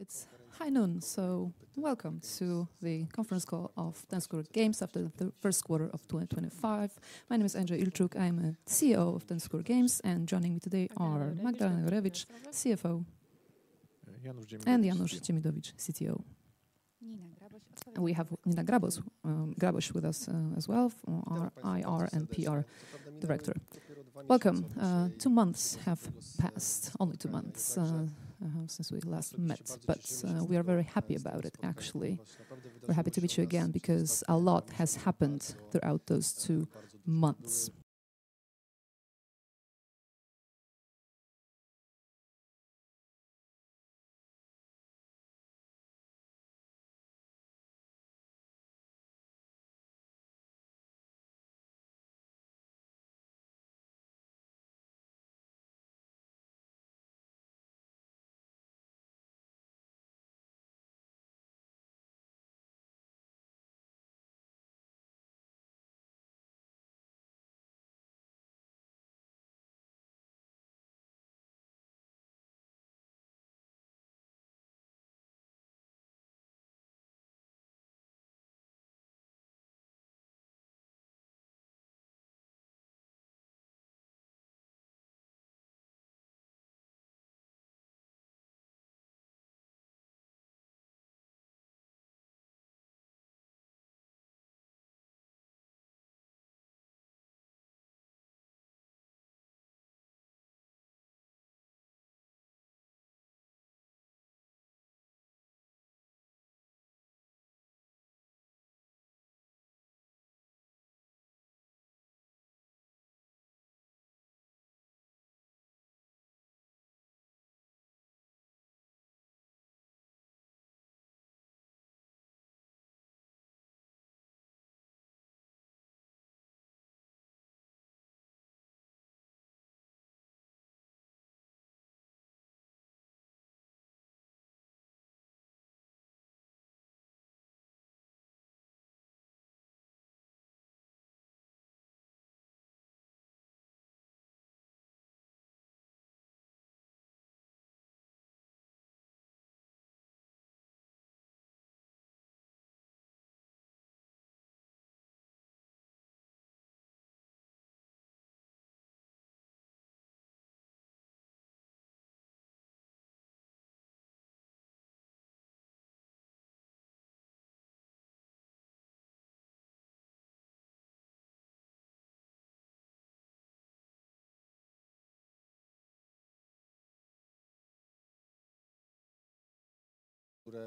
It is high noon, so welcome to the conference call of Ten Square Games after the first quarter of 2025. My name is Andrzej Ilczuk, I am CEO of Ten Square Games, and joining me today are Magdalena Jurewicz, CFO, and Janusz Dzimidowicz, CTO. We have Nina Grabos with us as well, our IR and PR Director. Welcome. Two months have passed, only two months since we last met, but we are very happy about it, actually. We are happy to meet you again because a lot has happened throughout those two months.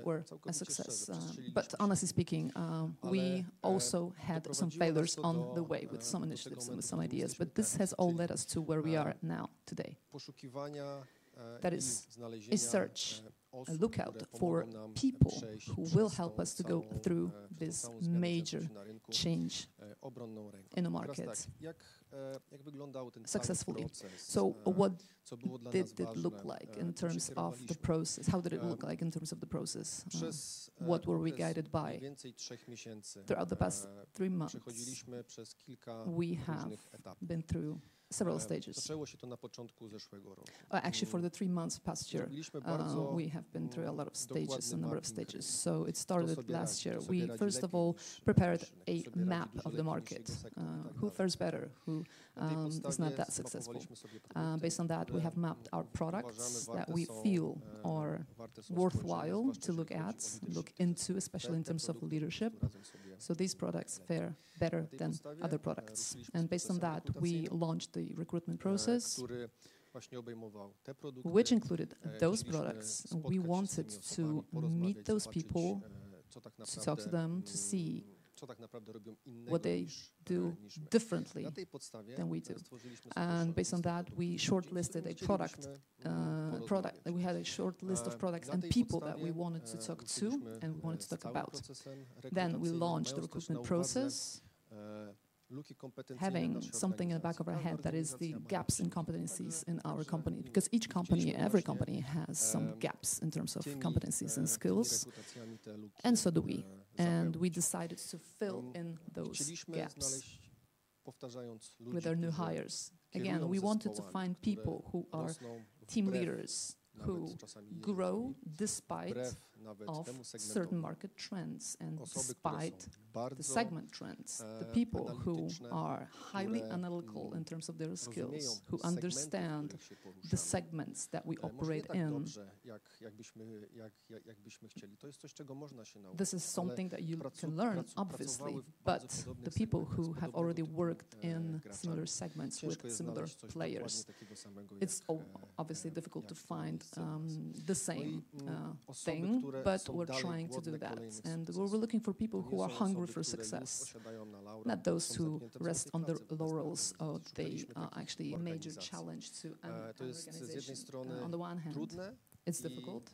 We are a success, but honestly speaking, we also had some failures on the way with some initiatives and with some ideas, but this has all led us to where we are now today. That is a search, a lookout for people who will help us to go through this major change in the market. Successfully. What did it look like in terms of the process? How did it look like in terms of the process? What were we guided by throughout the past three months? We have been through several stages. Actually, for the three months past year, we have been through a lot of stages, a number of stages. It started last year. We, first of all, prepared a map of the market: who fares better, who is not that successful. Based on that, we have mapped our products that we feel are worthwhile to look at, look into, especially in terms of leadership. These products fare better than other products. Based on that, we launched the recruitment process, which included those products. We wanted to meet those people, to talk to them, to see what they do differently than we do. Based on that, we shortlisted a product. We had a short list of products and people that we wanted to talk to and wanted to talk about. We launched the recruitment process, having something in the back of our head that is the gaps and competencies in our company, because each company, every company has some gaps in terms of competencies and skills, and so do we. We decided to fill in those gaps with our new hires. Again, we wanted to find people who are team leaders, who grow despite certain market trends and despite the segment trends, the people who are highly analytical in terms of their skills, who understand the segments that we operate in. This is something that you can learn, obviously, but the people who have already worked in similar segments with similar players, it's obviously difficult to find the same thing, but we're trying to do that. We are looking for people who are hungry for success, not those who rest on their laurels or they actually. A major challenge to an organization. On the one hand, it is difficult,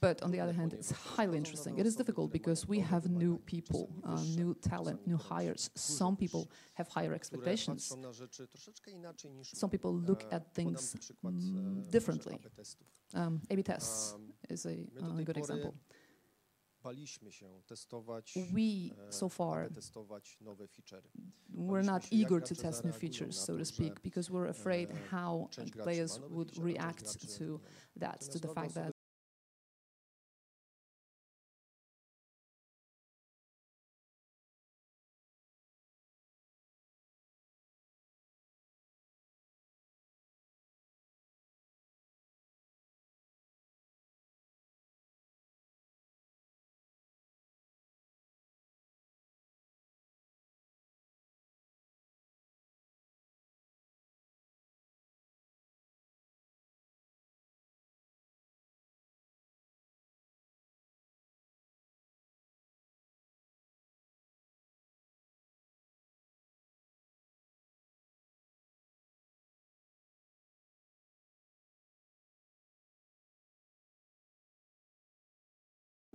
but on the other hand, it is highly interesting. It is difficult because we have new people, new talent, new hires. Some people have higher expectations. Some people look at things differently. A/B tests is a good example. We so far were not eager to test new features, so to speak, because we were afraid how players would react to that, to the fact that.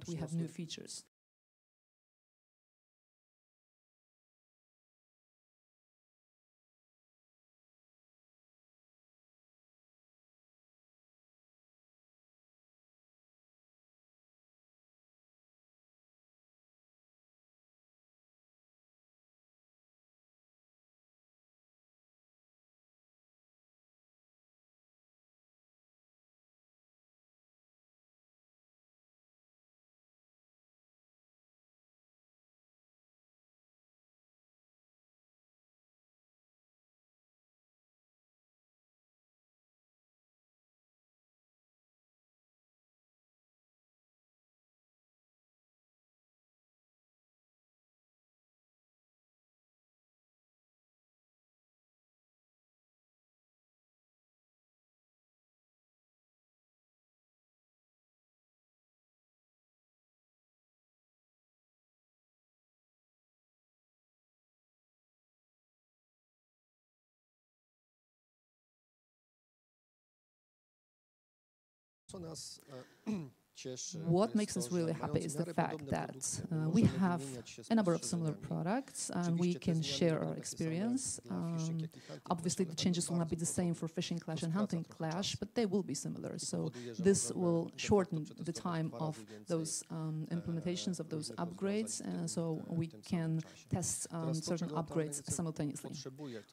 We have new features. What makes us really happy is the fact that we have a number of similar products, and we can share our experience. Obviously, the changes will not be the same for Fishing Clash and Hunting Clash, but they will be similar. This will shorten the time of those implementations of those upgrades, so we can test certain upgrades simultaneously.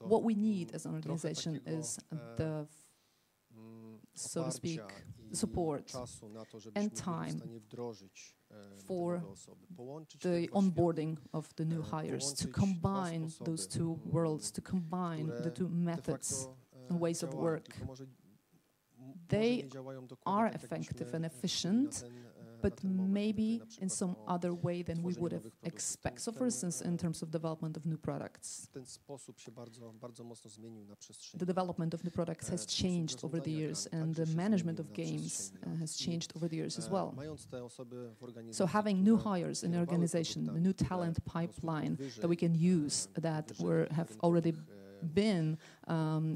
What we need as an organization is the, so to speak, support and time for the onboarding of the new hires, to combine those two worlds, to combine the two methods and ways of work. They are effective and efficient, but maybe in some other way than we would have expected. For instance, in terms of development of new products, the development of new products has changed over the years, and the management of games has changed over the years as well. Having new hires in the organization, the new talent pipeline that we can use, that we have already been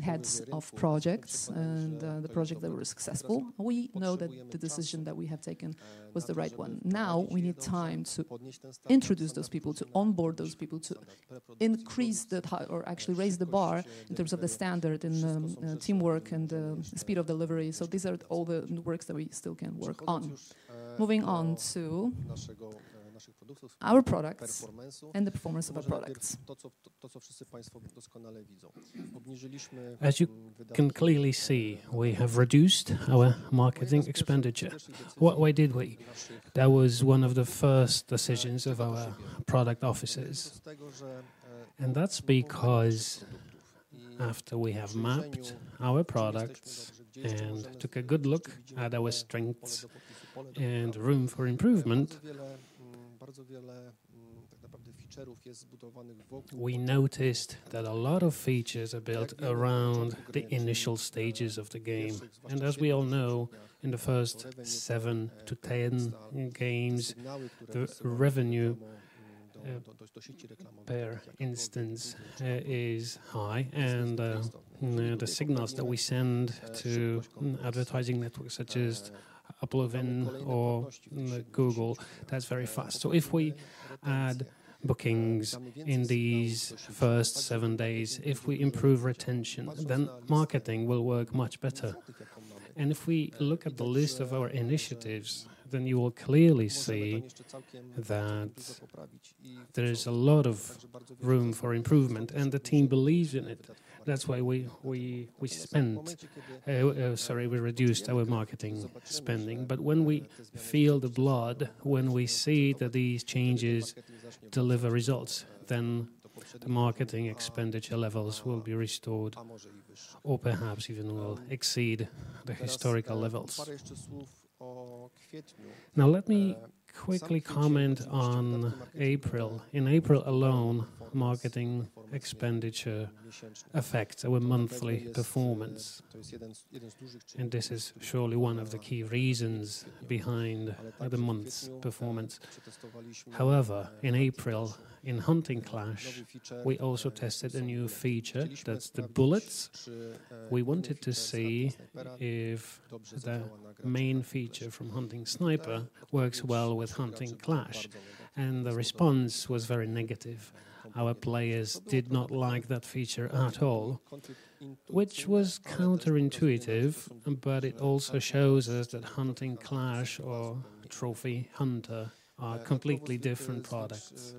heads of projects and the projects that were successful, we know that the decision that we have taken was the right one. Now we need time to introduce those people, to onboard those people, to increase the, or actually raise the bar in terms of the standard and teamwork and the speed of delivery. These are all the works that we still can work on. Moving on to our products and the performance of our products. As you can clearly see, we have reduced our marketing expenditure. What did we? That was one of the first decisions of our product officers. That is because after we have mapped our products and took a good look at our strengths and room for improvement, we noticed that a lot of features are built around the initial stages of the game. As we all know, in the first seven to ten games, the revenue per instance is high, and the signals that we send to advertising networks such as AppLovin or Google, that's very fast. If we add bookings in these first seven days, if we improve retention, then marketing will work much better. If we look at the list of our initiatives, you will clearly see that there is a lot of room for improvement, and the team believes in it. That is why we spent, sorry, we reduced our marketing spending. When we feel the blood, when we see that these changes deliver results, then the marketing expenditure levels will be restored, or perhaps even will exceed the historical levels. Let me quickly comment on April. In April alone, marketing expenditure affects our monthly performance, and this is surely one of the key reasons behind the month's performance. However, in April, in Hunting Clash, we also tested a new feature that's the bullets. We wanted to see if the main feature from Hunting Sniper works well with Hunting Clash, and the response was very negative. Our players did not like that feature at all, which was counterintuitive, but it also shows us that Hunting Clash or Trophy Hunter are completely different products,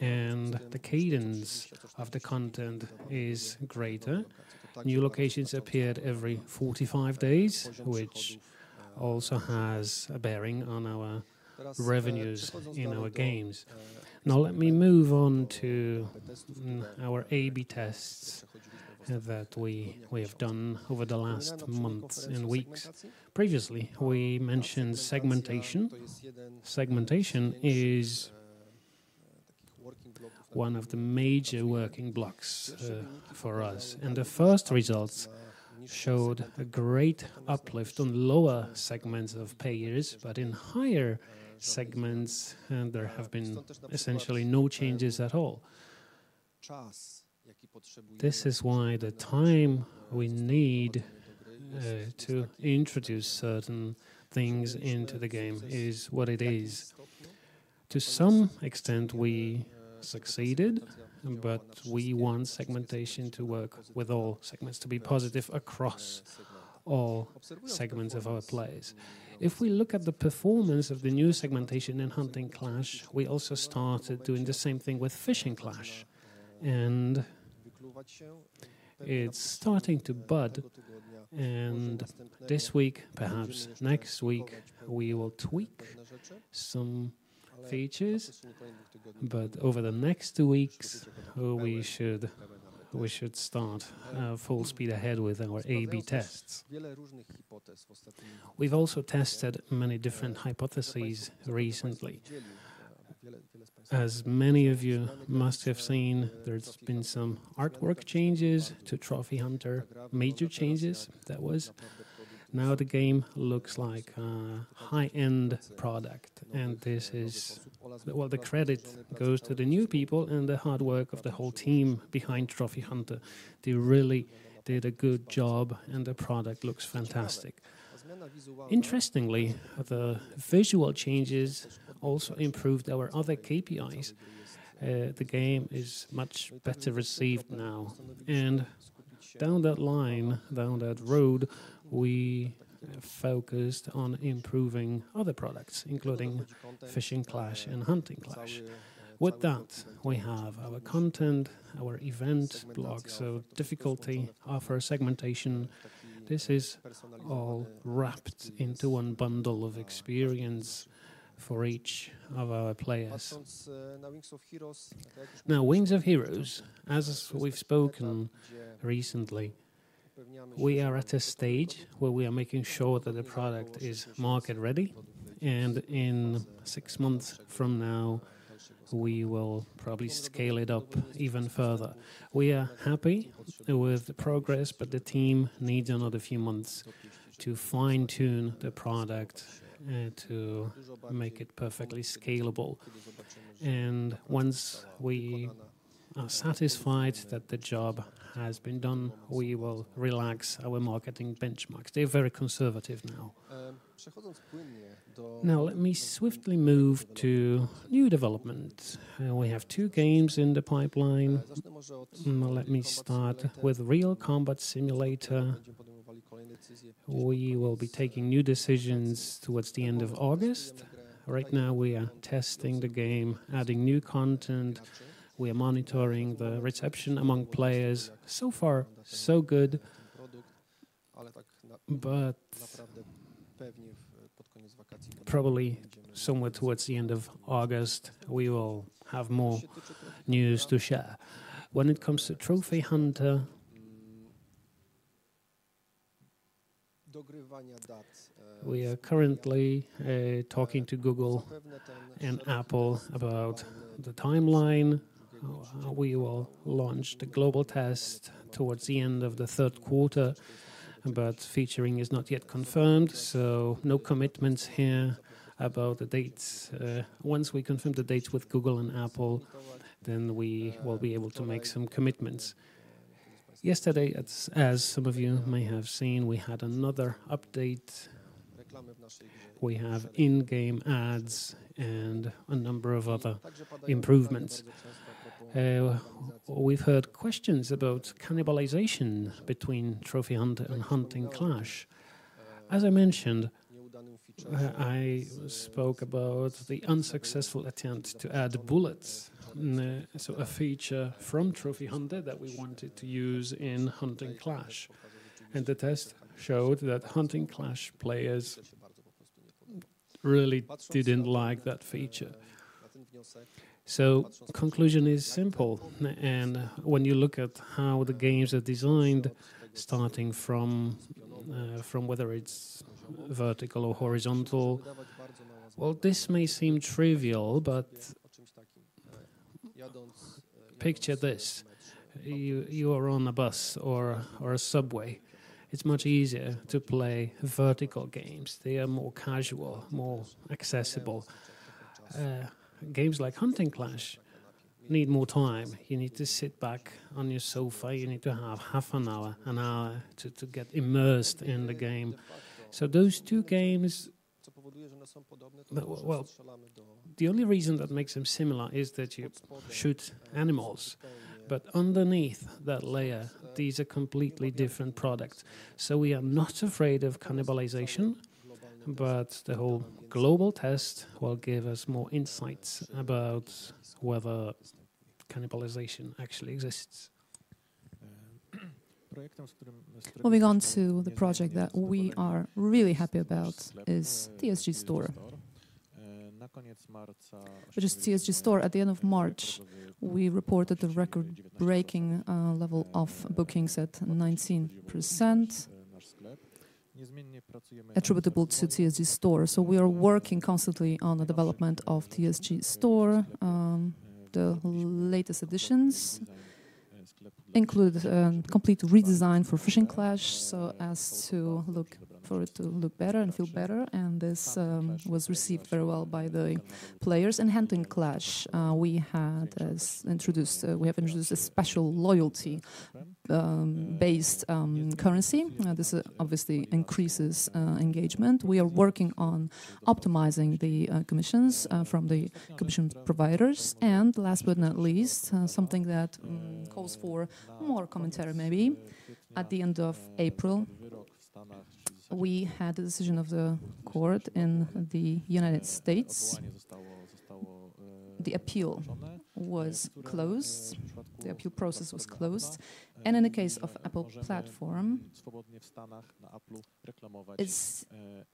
and the cadence of the content is greater. New locations appeared every 45 days, which also has a bearing on our revenues in our games. Now, let me move on to our A/B tests that we have done over the last months and weeks. Previously, we mentioned segmentation. Segmentation is one of the major working blocks for us, and the first results showed a great uplift on lower segments of payers, but in higher segments, there have been essentially no changes at all. This is why the time we need to introduce certain things into the game is what it is. To some extent, we succeeded, but we want segmentation to work with all segments, to be positive across all segments of our players. If we look at the performance of the new segmentation in Hunting Clash, we also started doing the same thing with Fishing Clash, and it's starting to bud. This week, perhaps next week, we will tweak some features, but over the next two weeks, we should start full speed ahead with our A/B tests. We've also tested many different hypotheses recently. As many of you must have seen, there's been some artwork changes to Trophy Hunter, major changes. That was. Now the game looks like a high-end product, and this is, well, the credit goes to the new people and the hard work of the whole team behind Trophy Hunter. They really did a good job, and the product looks fantastic. Interestingly, the visual changes also improved our other KPIs. The game is much better received now. Down that line, down that road, we focused on improving other products, including Fishing Clash and Hunting Clash. With that, we have our content, our event blocks, our difficulty, our first segmentation. This is all wrapped into one bundle of experience for each of our players. Now, Wings of Heroes, as we've spoken recently, we are at a stage where we are making sure that the product is market-ready, and in six months from now, we will probably scale it up even further. We are happy with the progress, but the team needs another few months to fine-tune the product and to make it perfectly scalable. Once we are satisfied that the job has been done, we will relax our marketing benchmarks. They're very conservative now. Now, let me swiftly move to new developments. We have two games in the pipeline. Let me start with Real Combat Simulator. We will be taking new decisions towards the end of August. Right now, we are testing the game, adding new content. We are monitoring the reception among players. So far, so good, but probably somewhere towards the end of August, we will have more news to share. When it comes to Trophy Hunter, we are currently talking to Google and Apple about the timeline. We will launch the global test towards the end of the third quarter, but featuring is not yet confirmed, so no commitments here about the dates. Once we confirm the dates with Google and Apple, then we will be able to make some commitments. Yesterday, as some of you may have seen, we had another update. We have in-game ads and a number of other improvements. We've heard questions about cannibalization between Trophy Hunter and Hunting Clash. As I mentioned, I spoke about the unsuccessful attempt to add bullets, so a feature from Trophy Hunter that we wanted to use in Hunting Clash. The test showed that Hunting Clash players really did not like that feature. The conclusion is simple. When you look at how the games are designed, starting from whether it is vertical or horizontal, this may seem trivial, but picture this: you are on a bus or a subway. It is much easier to play vertical games. They are more casual, more accessible. Games like Hunting Clash need more time. You need to sit back on your sofa. You need to have half an hour, an hour to get immersed in the game. Those two games, the only reason that makes them similar is that you shoot animals, but underneath that layer, these are completely different products. We are not afraid of cannibalization, but the whole global test will give us more insights about whether cannibalization actually exists. Moving on to the project that we are really happy about is TSG Store. Just TSG Store. At the end of March, we reported the record-breaking level of bookings at 19% attributable to TSG Store. We are working constantly on the development of TSG Store. The latest additions include a complete redesign for Fishing Clash, so as to look for it to look better and feel better. This was received very well by the players. In Hunting Clash, we have introduced a special loyalty-based currency. This obviously increases engagement. We are working on optimizing the commissions from the commission providers. Last but not least, something that calls for more commentary maybe, at the end of April, we had the decision of the court in the U.S. The appeal was closed. The appeal process was closed. In the case of Apple Platform,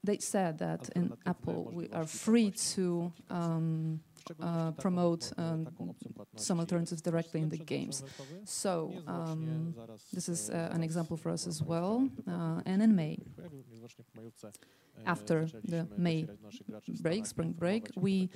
they said that in Apple, we are free to promote some alternatives directly in the games. This is an example for us as well. In May, after the May break, spring break, we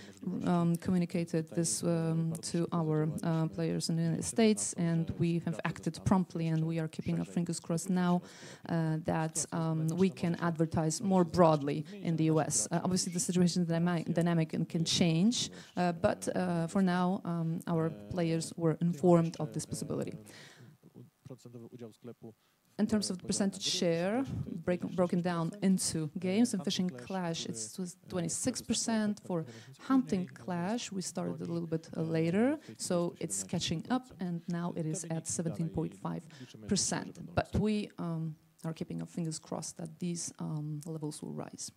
communicated this to our players in the United States, and we have acted promptly, and we are keeping our fingers crossed now that we can advertise more broadly in the U.S. Obviously, the situation dynamic can change, but for now, our players were informed of this possibility. In terms of the percentage share, broken down into games and Fishing Clash, it's 26%. For Hunting Clash, we started a little bit later, so it's catching up, and now it is at 17.5%. We are keeping our fingers crossed that these levels will rise.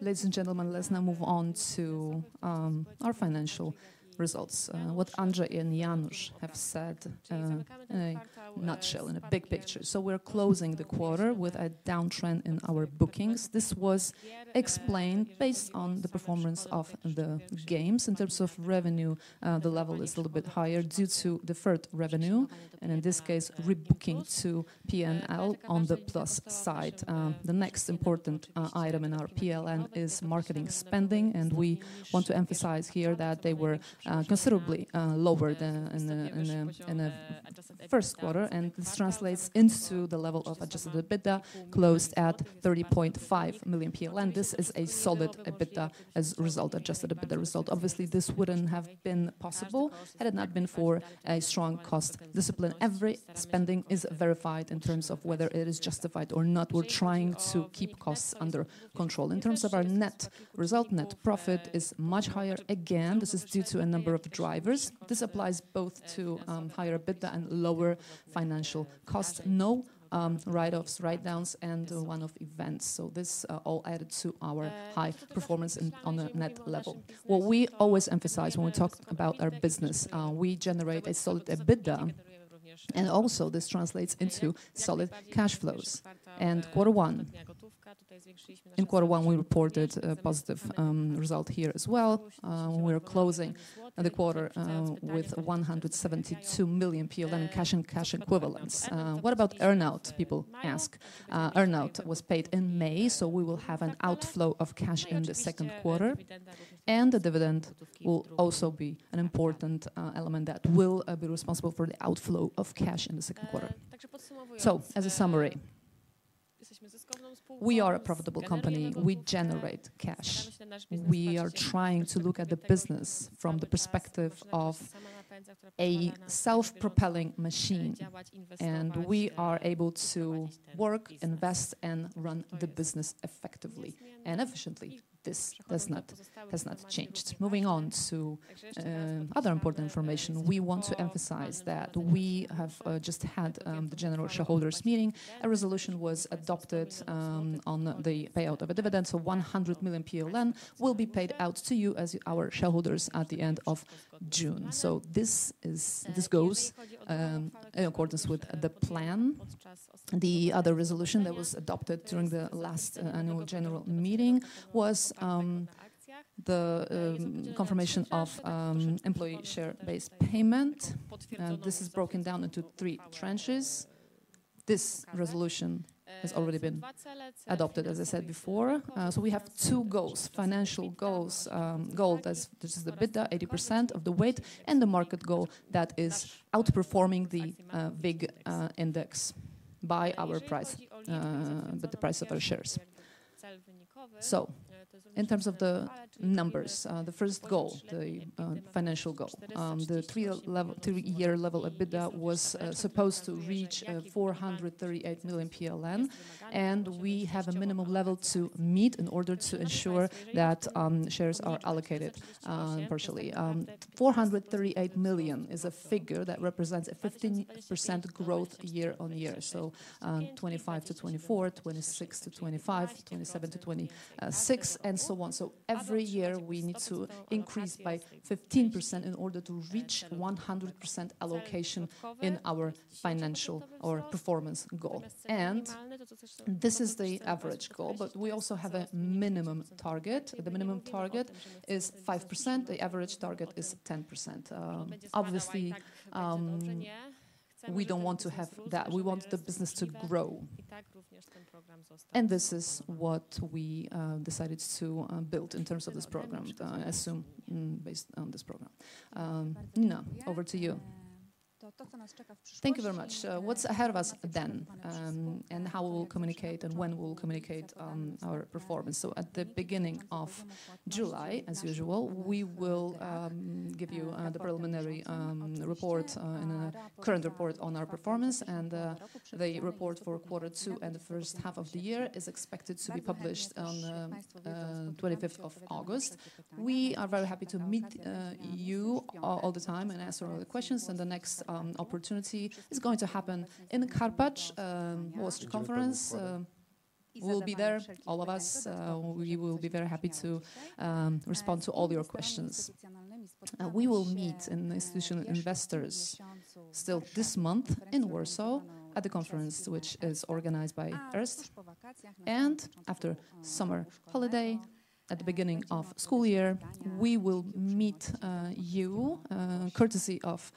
Ladies and gentlemen, let's now move on to our financial results, what Andrzej and Janusz have said in a nutshell, in a big picture. We are closing the quarter with a downtrend in our bookings. This was explained based on the performance of the games. In terms of revenue, the level is a little bit higher due to deferred revenue, and in this case, rebooking to P&L on the plus side. The next important item in our PLN is marketing spending, and we want to emphasize here that they were considerably lower than in the first quarter, and this translates into the level of Adjusted EBITDA closed at 30.5 million PLN. This is a solid EBITDA as a result, adjusted EBITDA result. Obviously, this would not have been possible had it not been for a strong cost discipline. Every spending is verified in terms of whether it is justified or not. We are trying to keep costs under control. In terms of our net result, net profit is much higher. Again, this is due to a number of drivers. This applies both to higher EBITDA and lower financial costs. No write-offs, write-downs, and one-off events. This all added to our high performance on the net level. What we always emphasize when we talk about our business, we generate a solid EBITDA, and also this translates into solid cash flows. In quarter one, we reported a positive result here as well. We are closing the quarter with 172 million PLN in cash and cash equivalents. What about earnout? People ask. Earnout was paid in May, so we will have an outflow of cash in the second quarter, and the dividend will also be an important element that will be responsible for the outflow of cash in the second quarter. As a summary, we are a profitable company. We generate cash. We are trying to look at the business from the perspective of a self-propelling machine, and we are able to work, invest, and run the business effectively and efficiently. This has not changed. Moving on to other important information, we want to emphasize that we have just had the general shareholders' meeting. A resolution was adopted on the payout of a dividend, so 100 million PLN will be paid out to you as our shareholders at the end of June. This goes in accordance with the plan. The other resolution that was adopted during the last annual general meeting was the confirmation of employee share-based payment. This is broken down into three tranches. This resolution has already been adopted, as I said before. We have two goals, financial goals. This is the EBITDA, 80% of the weight, and the market goal that is outperforming the VIG index by our price, but the price of our shares. In terms of the numbers, the first goal, the financial goal, the three-year level EBITDA was supposed to reach 438 million PLN, and we have a minimum level to meet in order to ensure that shares are allocated partially. 438 million is a figure that represents a 15% growth year on year, so 2025-2024, 2026-2025, 2027-2026, and so on. Every year, we need to increase by 15% in order to reach 100% allocation in our financial or performance goal. This is the average goal, but we also have a minimum target. The minimum target is 5%. The average target is 10%. Obviously, we do not want to have that. We want the business to grow. This is what we decided to build in terms of this program, assume based on this program. Nina, over to you. Thank you very much. What is ahead of us then and how we will communicate and when we will communicate our performance? At the beginning of July, as usual, we will give you the preliminary report and a current report on our performance. The report for quarter two and the first half of the year is expected to be published on the 25th of August. We are very happy to meet you all the time and answer all the questions. The next opportunity is going to happen in the Carpacci Wall Street Conference. We will be there, all of us. We will be very happy to respond to all your questions. We will meet institutional investors still this month in Warsaw at the conference, which is organized by ERST. After summer holiday, at the beginning of school year, we will meet you courtesy of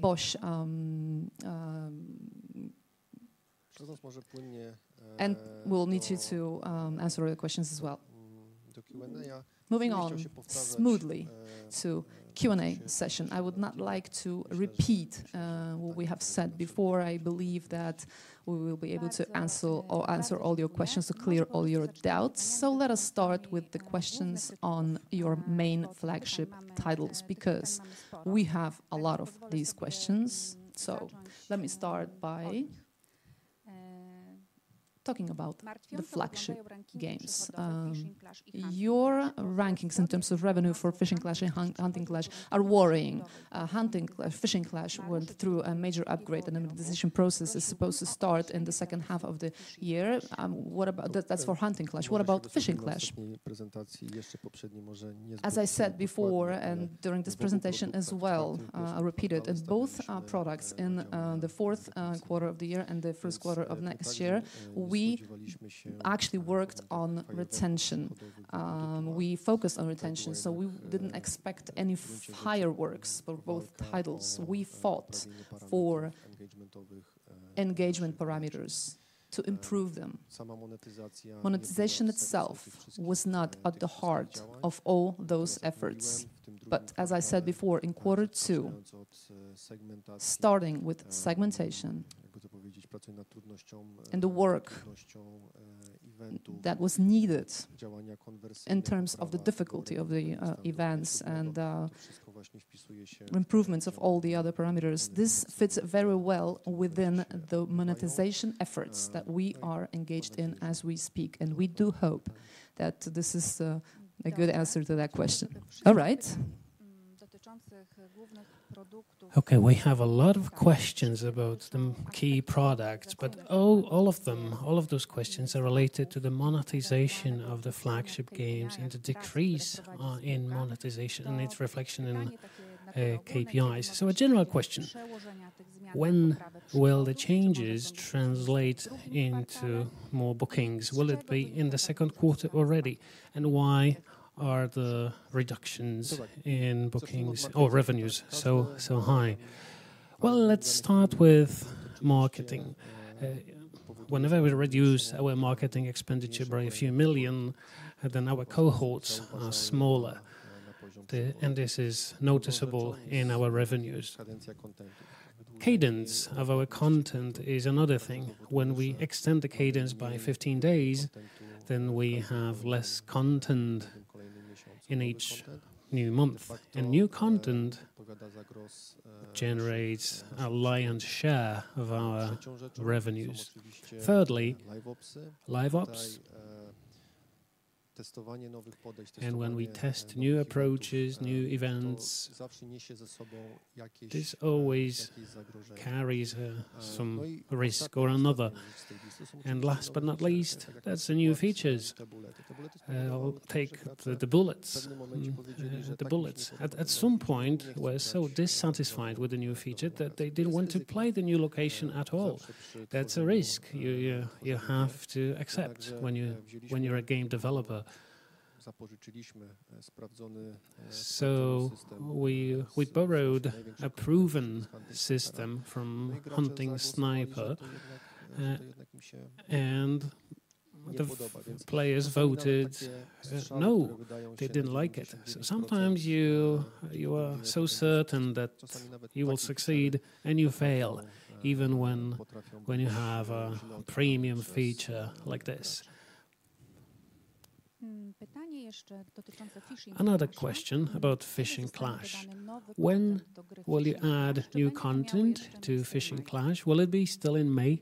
Bosch. We will need you to answer all the questions as well. Moving on smoothly to Q&A session. I would not like to repeat what we have said before. I believe that we will be able to answer all your questions to clear all your doubts. Let us start with the questions on your main flagship titles because we have a lot of these questions. Let me start by talking about the flagship games. Your rankings in terms of revenue for Fishing Clash and Hunting Clash are worrying. Fishing Clash went through a major upgrade, and the decision process is supposed to start in the second half of the year. That is for Hunting Clash. What about Fishing Clash? As I said before and during this presentation as well, I repeated in both products in the fourth quarter of the year and the first quarter of next year, we actually worked on retention. We focused on retention, so we did not expect any fireworks for both titles. We fought for engagement parameters to improve them. Monetization itself was not at the heart of all those efforts. As I said before, in quarter two, starting with segmentation and the work that was needed in terms of the difficulty of the events and improvements of all the other parameters, this fits very well within the monetization efforts that we are engaged in as we speak. We do hope that this is a good answer to that question. All right. Okay, we have a lot of questions about the key products, but all of them, all of those questions are related to the monetization of the flagship games and the decrease in monetization and its reflection in KPIs. A general question: when will the changes translate into more bookings? Will it be in the second quarter already? Why are the reductions in bookings or revenues so high? Let's start with marketing. Whenever we reduce our marketing expenditure by a few million, our cohorts are smaller, and this is noticeable in our revenues. Cadence of our content is another thing. When we extend the cadence by 15 days, we have less content in each new month. New content generates a lion's share of our revenues. Thirdly, live-ops. When we test new approaches, new events, this always carries some risk or another. Last but not least, that's the new features. I'll take the bullets. At some point, we were so dissatisfied with the new feature that they did not want to play the new location at all. That is a risk you have to accept when you are a game developer. We borrowed a proven system from Hunting Sniper, and the players voted no. They did not like it. Sometimes you are so certain that you will succeed, and you fail even when you have a premium feature like this. Another question about Fishing Clash. When will you add new content to Fishing Clash? Will it be still in May?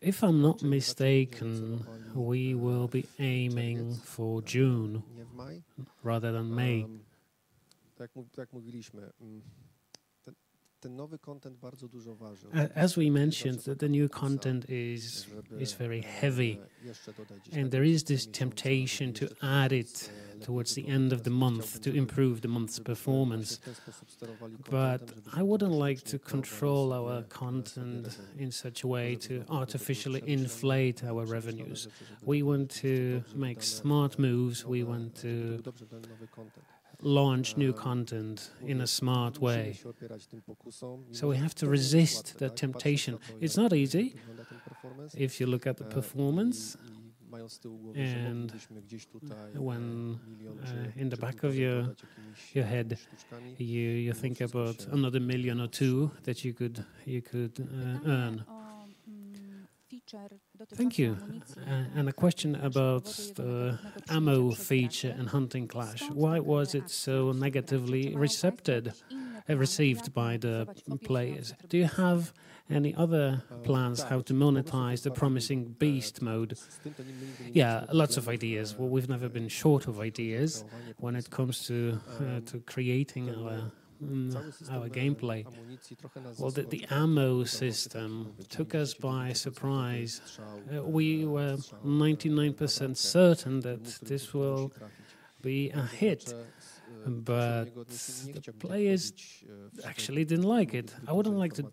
If I am not mistaken, we will be aiming for June rather than May. As we mentioned, the new content is very heavy, and there is this temptation to add it towards the end of the month to improve the month's performance. I would not like to control our content in such a way to artificially inflate our revenues. We want to make smart moves. We want to launch new content in a smart way. We have to resist the temptation. It is not easy. If you look at the performance and when in the back of your head, you think about another million or two that you could earn. Thank you. A question about the ammo feature in Hunting Clash. Why was it so negatively received by the players? Do you have any other plans how to monetize the promising beast mode? Yeah, lots of ideas. We have never been short of ideas when it comes to creating our gameplay. The ammo system took us by surprise. We were 99% certain that this would be a hit, but the players actually did not like it. I wouldn't like to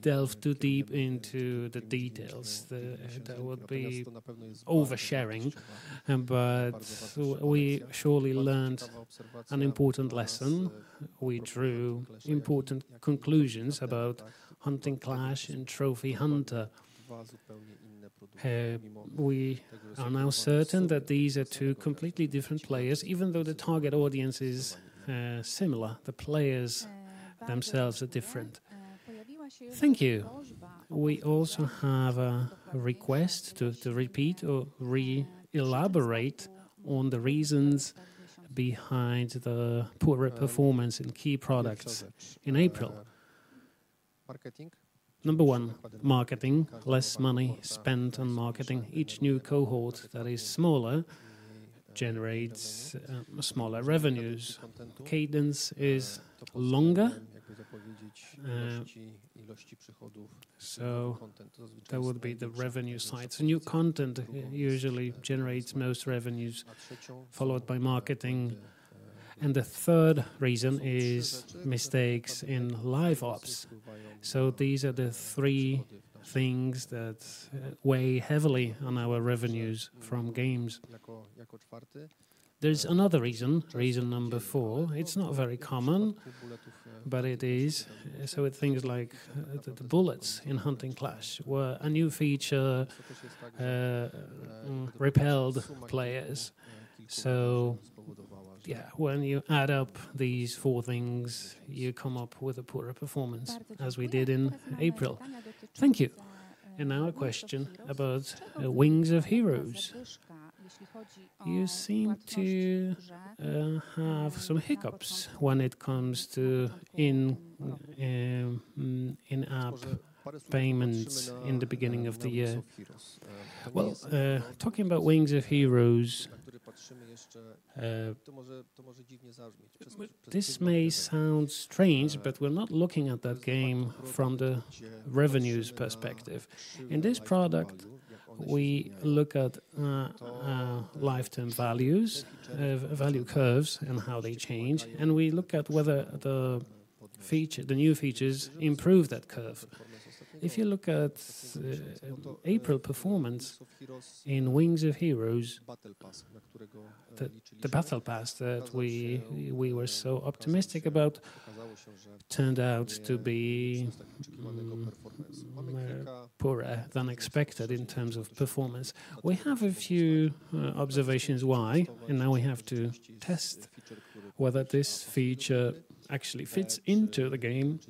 delve too deep into the details. That would be oversharing. But we surely learned an important lesson. We drew important conclusions about Hunting Clash and Trophy Hunter. We are now certain that these are two completely different players, even though the target audience is similar. The players themselves are different. Thank you. We also have a request to repeat or re-elaborate on the reasons behind the poorer performance in key products in April. Number one, marketing. Less money spent on marketing. Each new cohort that is smaller generates smaller revenues. Cadence is longer. That would be the revenue side. New content usually generates most revenues, followed by marketing. The third reason is mistakes in live-ops. These are the three things that weigh heavily on our revenues from games. There is another reason, reason number four. It is not very common, but it is. With things like the bullets in Hunting Clash, a new feature repelled players. Yeah, when you add up these four things, you come up with a poorer performance, as we did in April. Thank you. A question about Wings of Heroes. You seem to have some hiccups when it comes to in-app payments in the beginning of the year. Talking about Wings of Heroes, this may sound strange, but we're not looking at that game from the revenues perspective. In this product, we look at lifetime values, value curves, and how they change. We look at whether the new features improve that curve. If you look at April performance in Wings of Heroes, the battle pass that we were so optimistic about turned out to be poorer than expected in terms of performance. We have a few observations why, and now we have to test whether this feature actually fits into the game.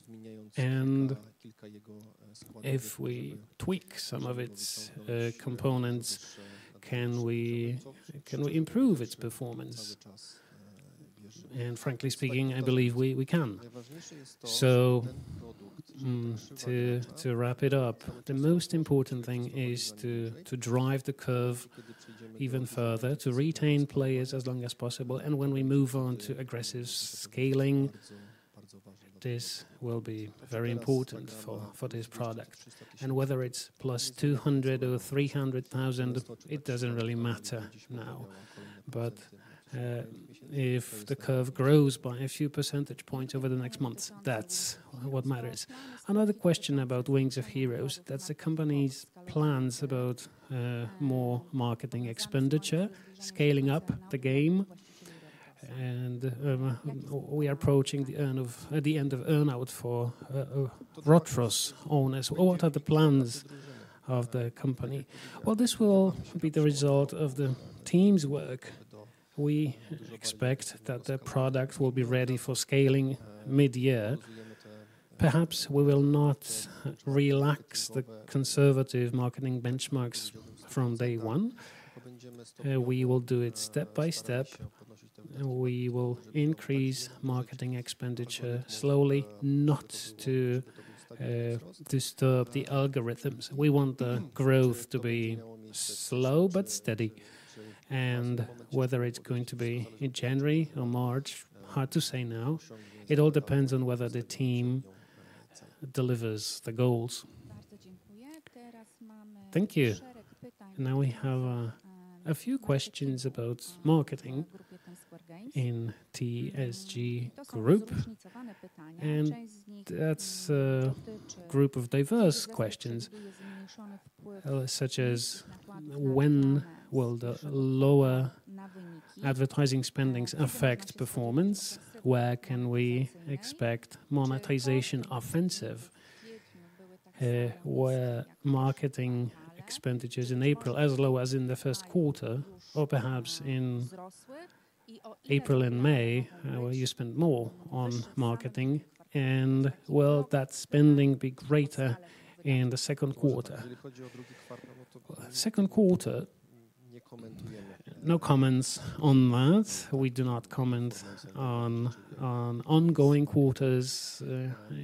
And if we tweak some of its components, can we improve its performance? And frankly speaking, I believe we can. To wrap it up, the most important thing is to drive the curve even further, to retain players as long as possible. When we move on to aggressive scaling, this will be very important for this product. Whether it is plus 200,000 or 300,000, it does not really matter now. If the curve grows by a few percentage points over the next month, that is what matters. Another question about Wings of Heroes, that is the company's plans about more marketing expenditure, scaling up the game. We are approaching the end of earnout for Rortos owners. What are the plans of the company? This will be the result of the team's work. We expect that the product will be ready for scaling mid-year. Perhaps we will not relax the conservative marketing benchmarks from day one. We will do it step by step. We will increase marketing expenditure slowly, not to disturb the algorithms. We want the growth to be slow but steady. Whether it is going to be in January or March, hard to say now. It all depends on whether the team delivers the goals. Thank you. Now we have a few questions about marketing in TSG Group. That is a group of diverse questions, such as when will the lower advertising spendings affect performance? Where can we expect monetization offensive? Were marketing expenditures in April as low as in the first quarter, or perhaps in April and May, where you spend more on marketing? Will that spending be greater in the second quarter? Second quarter, no comments on that. We do not comment on ongoing quarters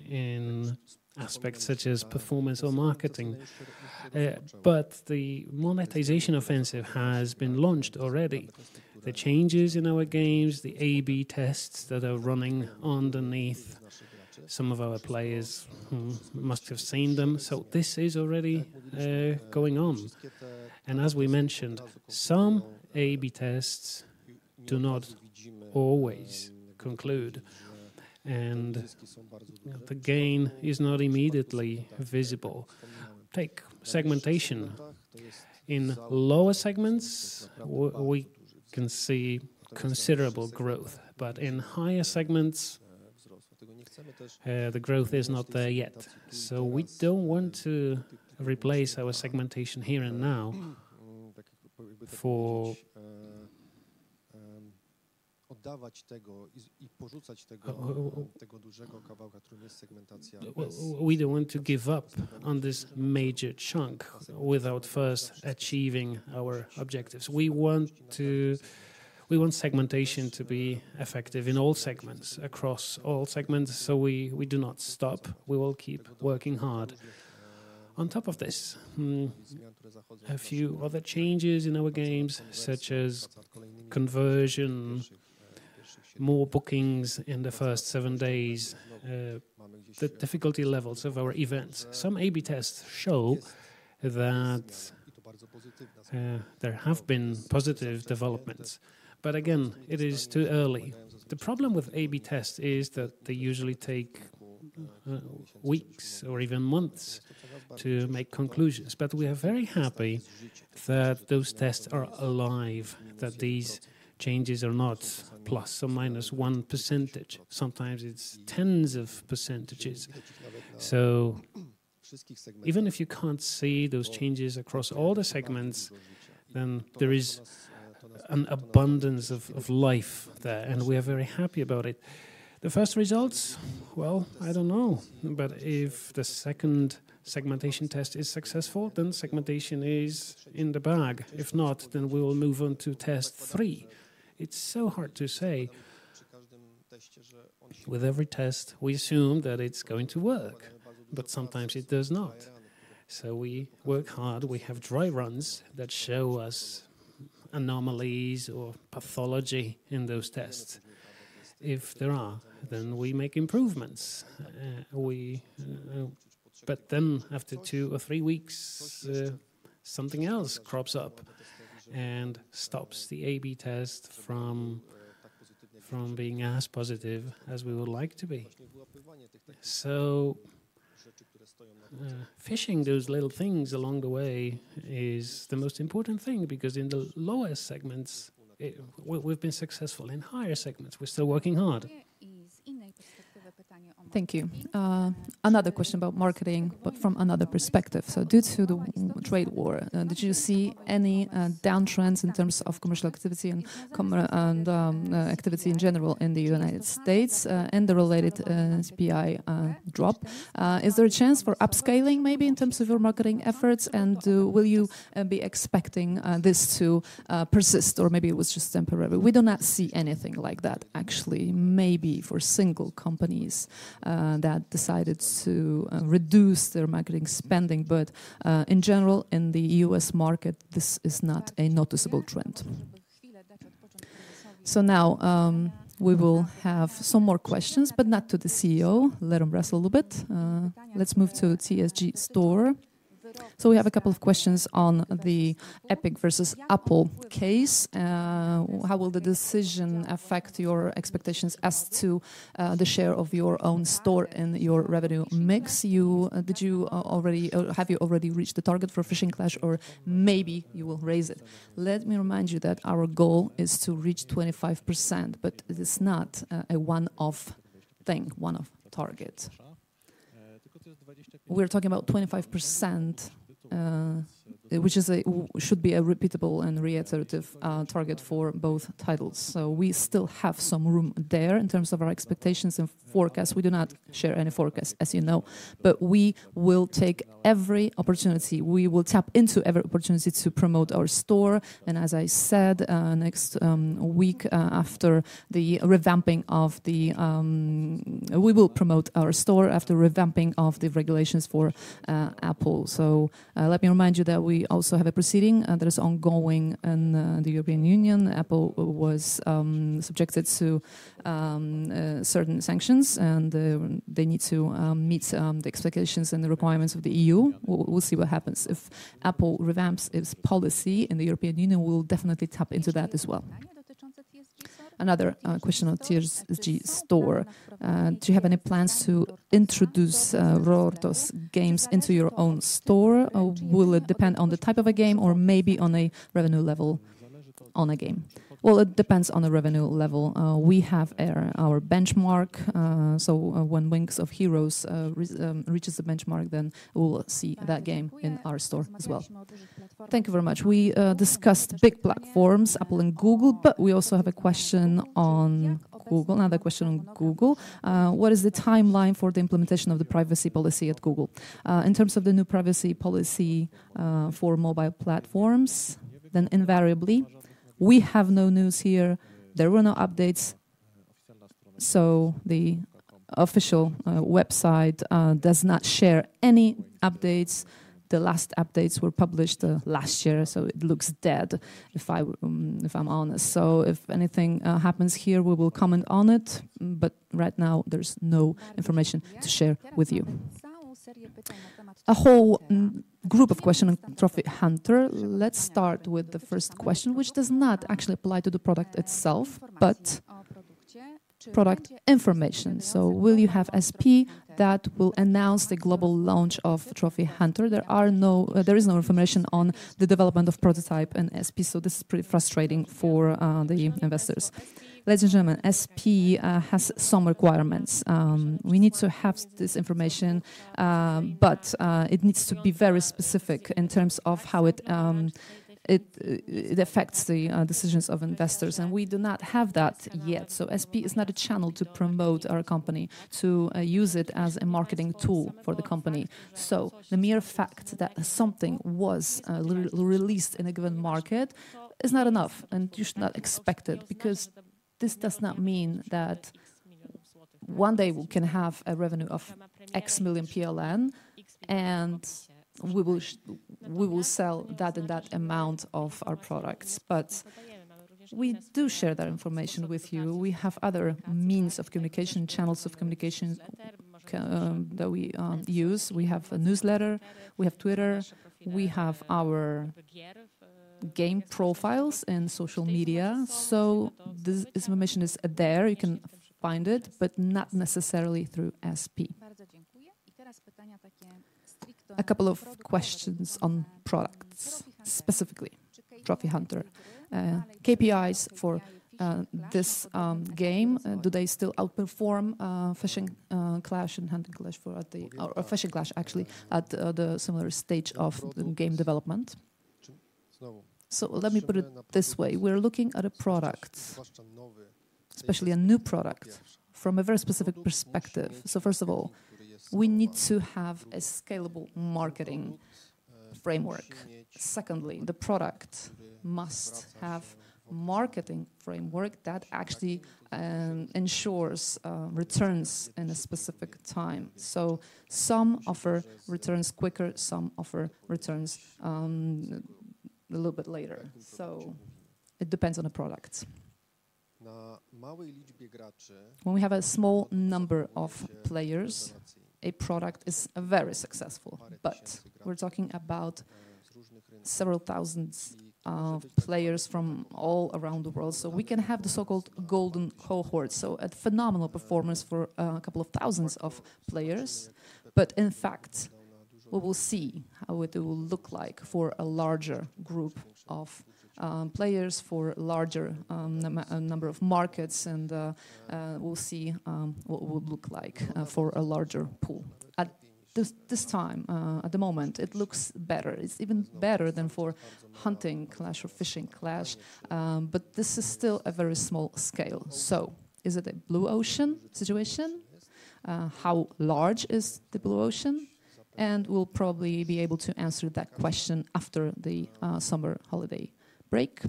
in aspects such as performance or marketing. The monetization offensive has been launched already. The changes in our games, the A/B tests that are running underneath, some of our players must have seen them. This is already going on. As we mentioned, some A/B tests do not always conclude, and the gain is not immediately visible. Take segmentation. In lower segments, we can see considerable growth, but in higher segments, the growth is not there yet. We do not want to replace our segmentation here and now, for we do not want to give up on this major chunk without first achieving our objectives. We want segmentation to be effective in all segments, across all segments. We do not stop. We will keep working hard. On top of this, a few other changes in our games, such as conversion, more bookings in the first seven days, the difficulty levels of our events. Some A/B tests show that there have been positive developments. It is too early. The problem with A/B tests is that they usually take weeks or even months to make conclusions. We are very happy that those tests are alive, that these changes are not ±1%. Sometimes it is tens of percentages. Even if you cannot see those changes across all the segments, there is an abundance of life there, and we are very happy about it. The first results? I do not know. If the second segmentation test is successful, then segmentation is in the bag. If not, we will move on to test three. It's so hard to say. With every test, we assume that it's going to work, but sometimes it does not. We work hard. We have dry runs that show us anomalies or pathology in those tests. If there are, then we make improvements. After two or three weeks, something else crops up and stops the A/B test from being as positive as we would like to be. Fishing those little things along the way is the most important thing because in the lower segments, we've been successful. In higher segments, we're still working hard. Thank you. Another question about marketing from another perspective. Due to the trade war, did you see any downtrends in terms of commercial activity and activity in general in the United States and the related CPI drop? Is there a chance for upscaling maybe in terms of your marketing efforts? Will you be expecting this to persist, or maybe it was just temporary? We do not see anything like that, actually. Maybe for single companies that decided to reduce their marketing spending. In general, in the U.S. market, this is not a noticeable trend. We will have some more questions, but not to the CEO. Let him rest a little bit. Let's move to TSG Store. We have a couple of questions on the Epic versus Apple case. How will the decision affect your expectations as to the share of your own store in your revenue mix? Did you already have you already reached the target for Fishing Clash, or maybe you will raise it? Let me remind you that our goal is to reach 25%, but it is not a one-off thing, one-off target. We're talking about 25%, which should be a repeatable and reiterative target for both titles. We still have some room there in terms of our expectations and forecasts. We do not share any forecasts, as you know, but we will take every opportunity. We will tap into every opportunity to promote our store. As I said, next week after the revamping of the regulations for Apple, we will promote our store. Let me remind you that we also have a proceeding that is ongoing in the European Union. Apple was subjected to certain sanctions, and they need to meet the expectations and the requirements of the EU. We'll see what happens. If Apple revamps its policy in the European Union, we will definitely tap into that as well. Another question on TSG Store. Do you have any plans to introduce Rortos games into your own store? Will it depend on the type of a game or maybe on a revenue level on a game? It depends on the revenue level. We have our benchmark. When Wings of Heroes reaches the benchmark, then we will see that game in our store as well. Thank you very much. We discussed big platforms, Apple and Google, but we also have a question on Google. Another question on Google. What is the timeline for the implementation of the privacy policy at Google? In terms of the new privacy policy for mobile platforms, invariably we have no news here. There were no updates. The official website does not share any updates. The last updates were published last year, so it looks dead, if I'm honest. If anything happens here, we will comment on it. Right now, there is no information to share with you. A whole group of questions. Trophy Hunter. Let's start with the first question, which does not actually apply to the product itself, but product information. Will you have SP that will announce the global launch of Trophy Hunter? There is no information on the development of prototype and SP, so this is pretty frustrating for the investors. Ladies and gentlemen, SP has some requirements. We need to have this information, but it needs to be very specific in terms of how it affects the decisions of investors. We do not have that yet. SP is not a channel to promote our company, to use it as a marketing tool for the company. The mere fact that something was released in a given market is not enough, and you should not expect it because this does not mean that one day we can have a revenue of PLN X million and we will sell that and that amount of our products. We do share that information with you. We have other means of communication, channels of communication that we use. We have a newsletter, we have Twitter, we have our game profiles in social media. This information is there. You can find it, but not necessarily through SP. A couple of questions on products specifically, Trophy Hunter. KPIs for this game, do they still outperform Fishing Clash and Hunting Clash or Fishing Clash, actually, at the similar stage of the game development? Let me put it this way. We're looking at a product, especially a new product, from a very specific perspective. First of all, we need to have a scalable marketing framework. Secondly, the product must have a marketing framework that actually ensures returns in a specific time. Some offer returns quicker, some offer returns a little bit later. It depends on the product. When we have a small number of players, a product is very successful. We're talking about several thousand players from all around the world. We can have the so-called golden cohort, so a phenomenal performance for a couple of thousand players. In fact, we will see how it will look for a larger group of players, for a larger number of markets, and we'll see what it will look like for a larger pool. At this time, at the moment, it looks better. It's even better than for Hunting Clash or Fishing Clash, but this is still a very small scale. Is it a blue ocean situation? How large is the blue ocean? We will probably be able to answer that question after the summer holiday break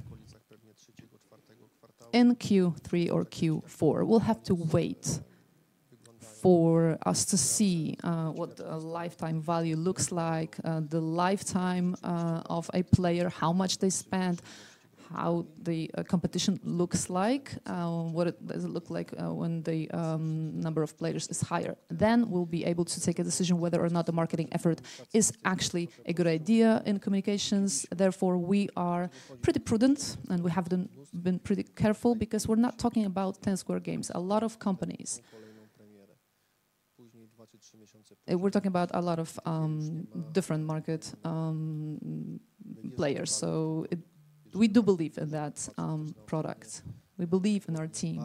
in Q3 or Q4. We will have to wait for us to see what the lifetime value looks like, the lifetime of a player, how much they spent, how the competition looks like, what it does look like when the number of players is higher. We will be able to take a decision whether or not the marketing effort is actually a good idea in communications. Therefore, we are pretty prudent, and we have been pretty careful because we are not talking about TSG games. A lot of companies, we are talking about a lot of different market players. We do believe in that product. We believe in our team.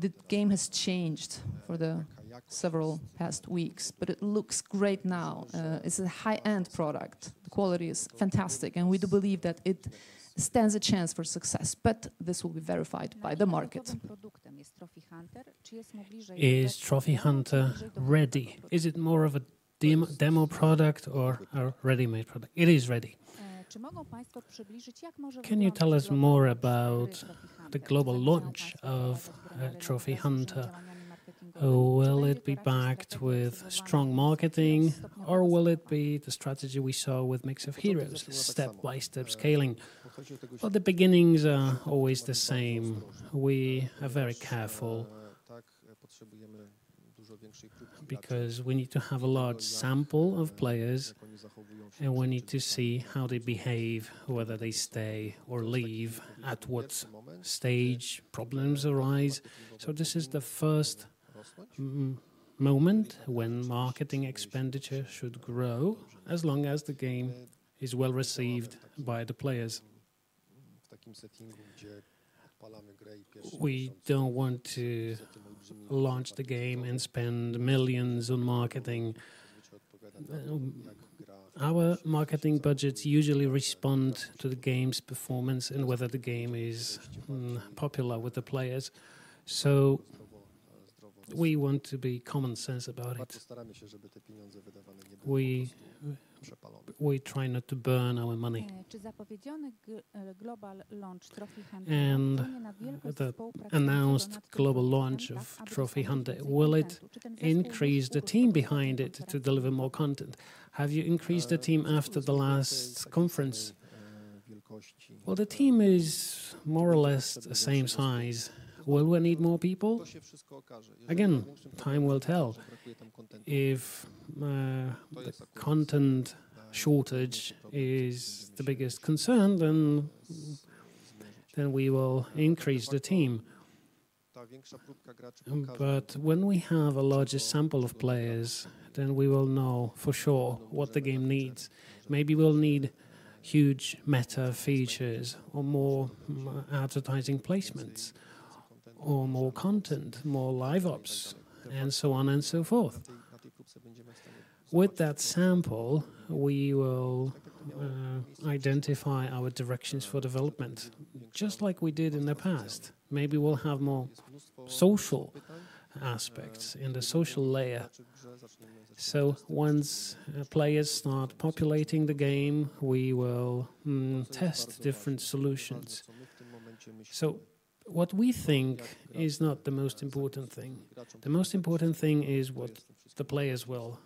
The game has changed for the several past weeks, but it looks great now. It's a high-end product. The quality is fantastic, and we do believe that it stands a chance for success, but this will be verified by the market. Is Trophy Hunter ready? Is it more of a demo product or a ready-made product? It is ready. Can you tell us more about the global launch of Trophy Hunter? Will it be backed with strong marketing, or will it be the strategy we saw with Mix of Heroes, the step-by-step scaling? The beginnings are always the same. We are very careful because we need to have a large sample of players, and we need to see how they behave, whether they stay or leave at what stage problems arise. This is the first moment when marketing expenditure should grow as long as the game is well received by the players. We do not want to launch the game and spend millions on marketing. Our marketing budgets usually respond to the game's performance and whether the game is popular with the players. We want to be common sense about it. We try not to burn our money. The announced global launch of Trophy Hunter, will it increase the team behind it to deliver more content? Have you increased the team after the last conference? The team is more or less the same size. Will we need more people? Again, time will tell. If the content shortage is the biggest concern, then we will increase the team. When we have a larger sample of players, then we will know for sure what the game needs. Maybe we'll need huge meta features or more advertising placements or more content, more live-ops, and so on and so forth. With that sample, we will identify our directions for development, just like we did in the past. Maybe we'll have more social aspects in the social layer. Once players start populating the game, we will test different solutions. What we think is not the most important thing. The most important thing is what the players will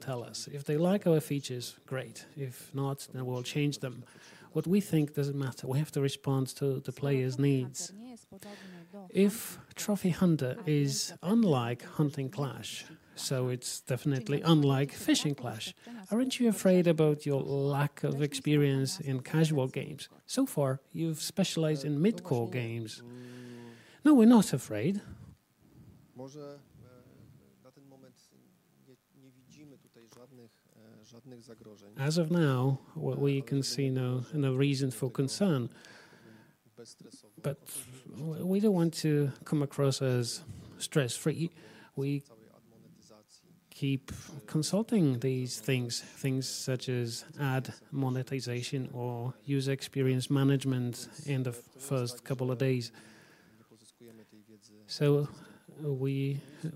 tell us. If they like our features, great. If not, then we'll change them. What we think doesn't matter. We have to respond to the players' needs. If Trophy Hunter is unlike Hunting Clash, so it's definitely unlike Fishing Clash, aren't you afraid about your lack of experience in casual games? So far, you've specialized in mid-core games. No, we're not afraid. As of now, what we can see now and the reason for concern. We do not want to come across as stress-free. We keep consulting these things, things such as ad monetization or user experience management in the first couple of days.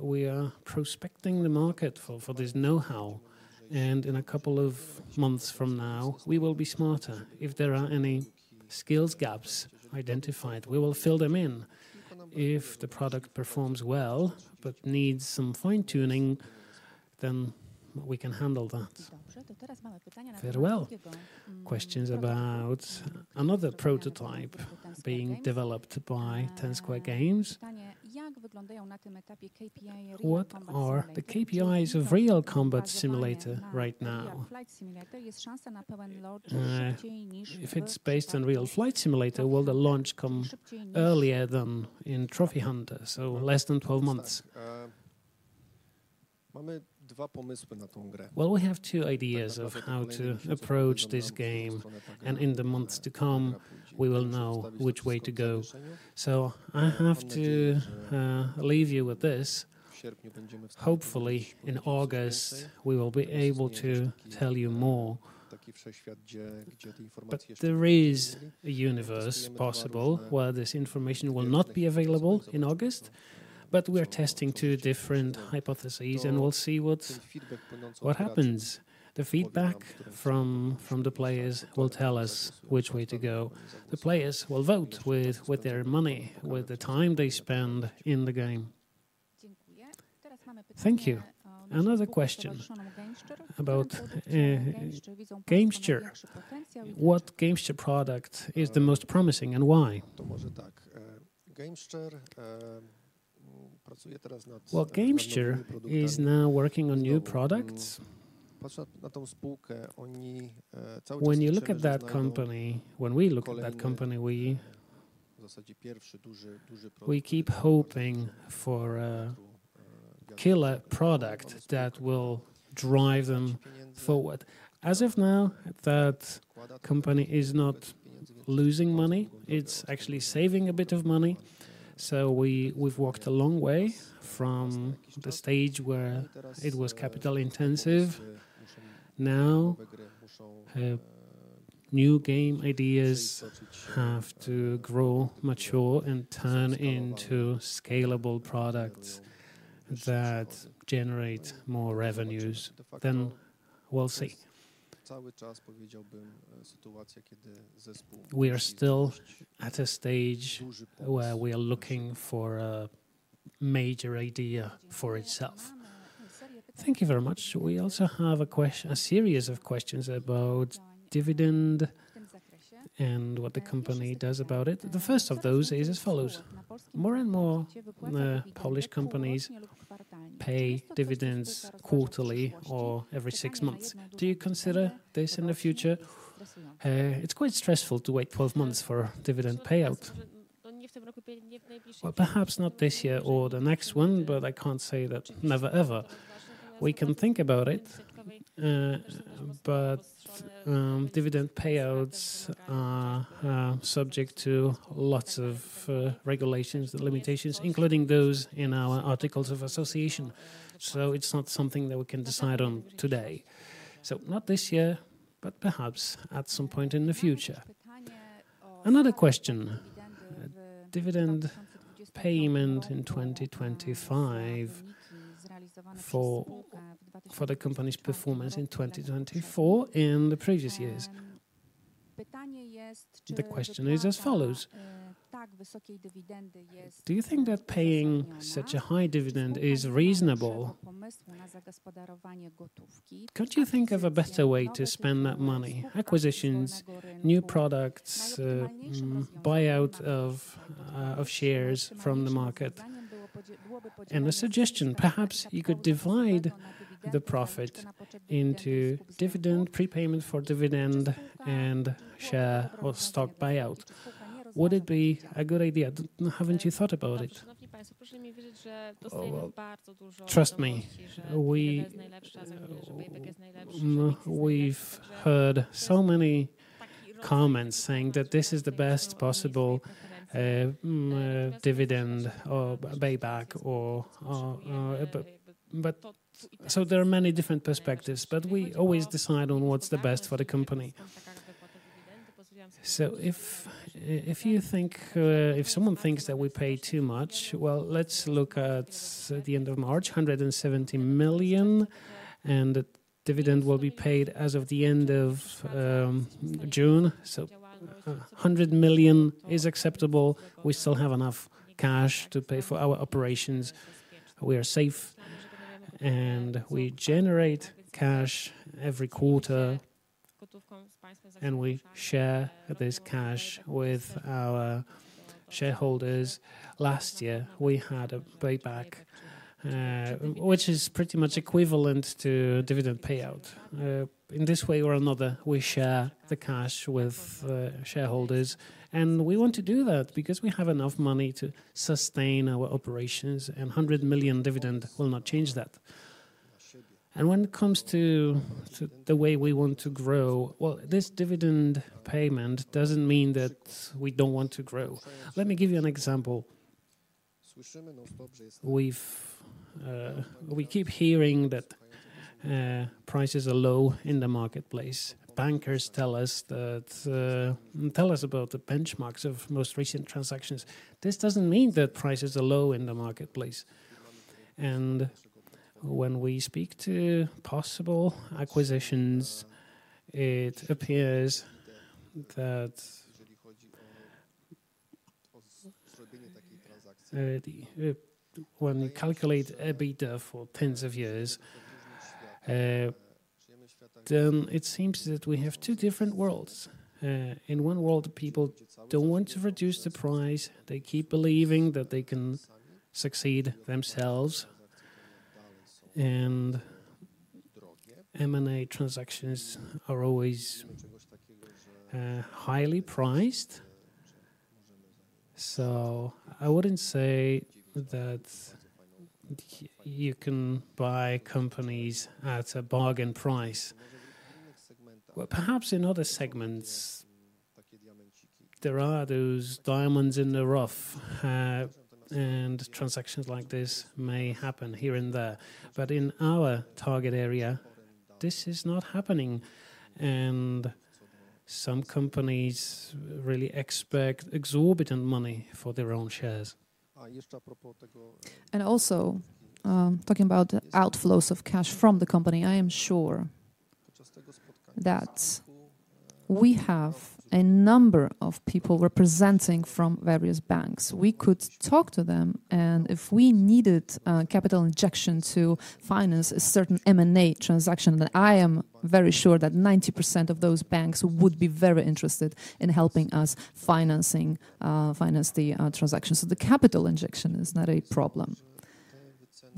We are prospecting the market for this know-how. In a couple of months from now, we will be smarter. If there are any skills gaps identified, we will fill them in. If the product performs well but needs some fine-tuning, then we can handle that. Farewell. Questions about another prototype being developed by Ten Square Games. What are the KPIs of Real Combat Simulator right now? If it is based on Real Flight Simulator, will the launch come earlier than in Trophy Hunter? Less than 12 months. We have two ideas of how to approach this game, and in the months to come, we will know which way to go. I have to leave you with this. Hopefully, in August, we will be able to tell you more. There is a universe possible where this information will not be available in August. We are testing two different hypotheses, and we will see what happens. The feedback from the players will tell us which way to go. The players will vote with their money, with the time they spend in the game. Thank you. Another question about GameShare. What GameShare product is the most promising and why? What GameShare is now working on new products? When you look at that company, when we look at that company, we keep hoping for a killer product that will drive them forward. As of now, that company is not losing money. It's actually saving a bit of money. We've walked a long way from the stage where it was capital-intensive. Now, new game ideas have to grow, mature, and turn into scalable products that generate more revenues. We are still at a stage where we are looking for a major idea for itself. Thank you very much. We also have a series of questions about dividend and what the company does about it. The first of those is as follows. More and more Polish companies pay dividends quarterly or every six months. Do you consider this in the future? It's quite stressful to wait 12 months for dividend payout. Perhaps not this year or the next one, but I can't say that never, ever. We can think about it, but dividend payouts are subject to lots of regulations and limitations, including those in our articles of association. It is not something that we can decide on today. Not this year, but perhaps at some point in the future. Another question. Dividend payment in 2025 for the company's performance in 2024 and the previous years. The question is as follows. Do you think that paying such a high dividend is reasonable? Could you think of a better way to spend that money? Acquisitions, new products, buyout of shares from the market? A suggestion. Perhaps you could divide the profit into dividend, prepayment for dividend, and share or stock buyout. Would it be a good idea? Have not you thought about it? Trust me, we have heard so many comments saying that this is the best possible dividend or payback. There are many different perspectives, but we always decide on what's the best for the company. If you think, if someone thinks that we pay too much, let's look at the end of March, 170 million, and the dividend will be paid as of the end of June. 100 million is acceptable. We still have enough cash to pay for our operations. We are safe, and we generate cash every quarter, and we share this cash with our shareholders. Last year, we had a payback, which is pretty much equivalent to dividend payout. In this way or another, we share the cash with shareholders, and we want to do that because we have enough money to sustain our operations, and 100 million dividend will not change that. When it comes to the way we want to grow, this dividend payment does not mean that we do not want to grow. Let me give you an example. We keep hearing that prices are low in the marketplace. Bankers tell us about the benchmarks of most recent transactions. This does not mean that prices are low in the marketplace. When we speak to possible acquisitions, it appears that when we calculate EBITDA for tens of years, it seems that we have two different worlds. In one world, people do not want to reduce the price. They keep believing that they can succeed themselves. M&A transactions are always highly priced. I would not say that you can buy companies at a bargain price. Perhaps in other segments, there are those diamonds in the rough, and transactions like this may happen here and there. In our target area, this is not happening. Some companies really expect exorbitant money for their own shares. Also, talking about outflows of cash from the company, I am sure that we have a number of people representing from various banks. We could talk to them, and if we needed capital injection to finance a certain M&A transaction, I am very sure that 90% of those banks would be very interested in helping us finance the transaction. The capital injection is not a problem.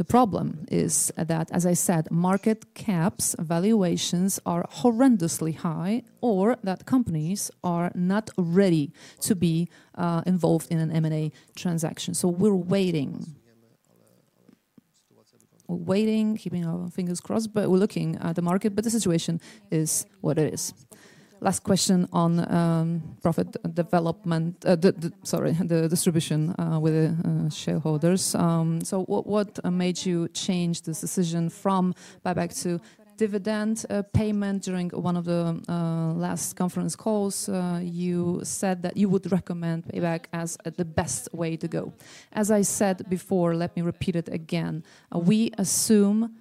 The problem is that, as I said, market caps, valuations are horrendously high, or that companies are not ready to be involved in an M&A transaction. We are waiting, keeping our fingers crossed, but we are looking at the market, but the situation is what it is. Last question on profit development, sorry, the distribution with the shareholders. What made you change this decision from buyback to dividend payment? During one of the last conference calls, you said that you would recommend payback as the best way to go. As I said before, let me repeat it again. We assume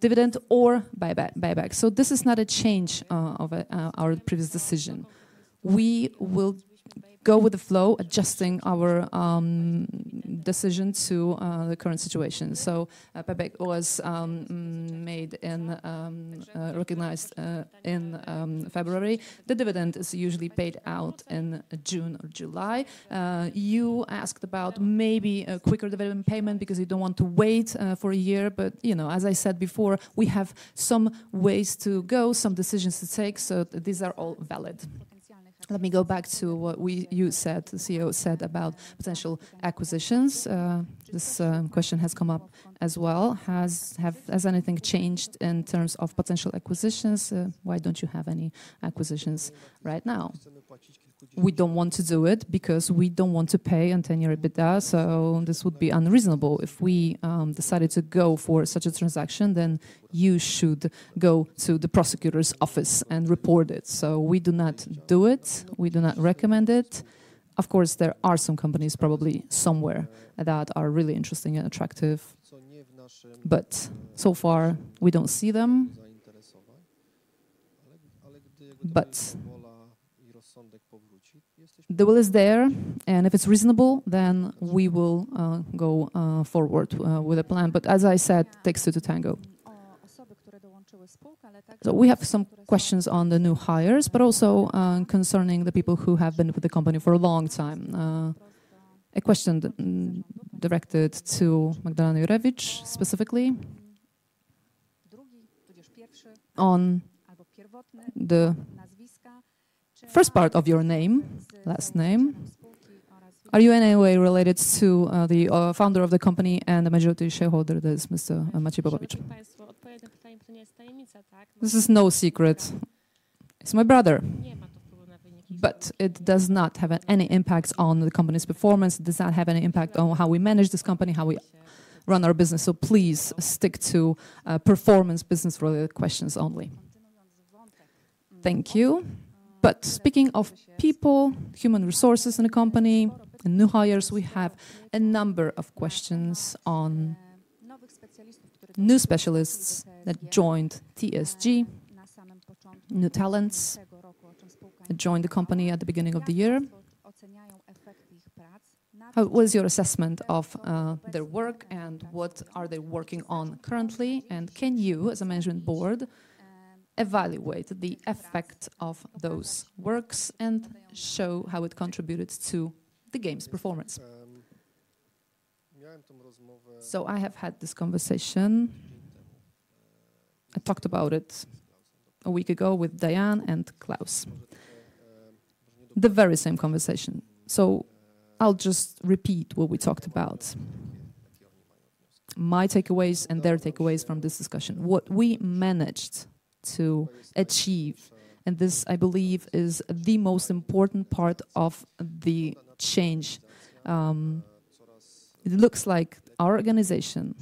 dividend or buyback. This is not a change of our previous decision. We will go with the flow, adjusting our decision to the current situation. Payback was made and recognized in February. The dividend is usually paid out in June or July. You asked about maybe a quicker dividend payment because you do not want to wait for a year. You know, as I said before, we have some ways to go, some decisions to take. These are all valid. Let me go back to what you said, the CEO said about potential acquisitions. This question has come up as well. Has anything changed in terms of potential acquisitions? Why don't you have any acquisitions right now? We don't want to do it because we don't want to pay on ten-year EBITDA. This would be unreasonable. If we decided to go for such a transaction, then you should go to the prosecutor's office and report it. We do not do it. We do not recommend it. Of course, there are some companies probably somewhere that are really interesting and attractive. So far, we don't see them. The will is there, and if it's reasonable, we will go forward with a plan. As I said, it takes two to tango. We have some questions on the new hires, but also concerning the people who have been with the company for a long time. A question directed to Magdalena Jurewicz specifically. First part of your name, last name. Are you in any way related to the founder of the company and the majority shareholder? This is Mr. Maciej Bobowicz. This is no secret. It's my brother. It does not have any impact on the company's performance. It does not have any impact on how we manage this company, how we run our business. Please stick to performance business-related questions only. Thank you. Speaking of people, human resources in the company, and new hires, we have a number of questions on new specialists that joined TSG, new talents that joined the company at the beginning of the year. What is your assessment of their work and what are they working on currently? Can you, as a management board, evaluate the effect of those works and show how it contributed to the game's performance? I have had this conversation. I talked about it a week ago with Diane and Klaus. The very same conversation. I'll just repeat what we talked about. My takeaways and their takeaways from this discussion. What we managed to achieve, and this, I believe, is the most important part of the change. It looks like our organization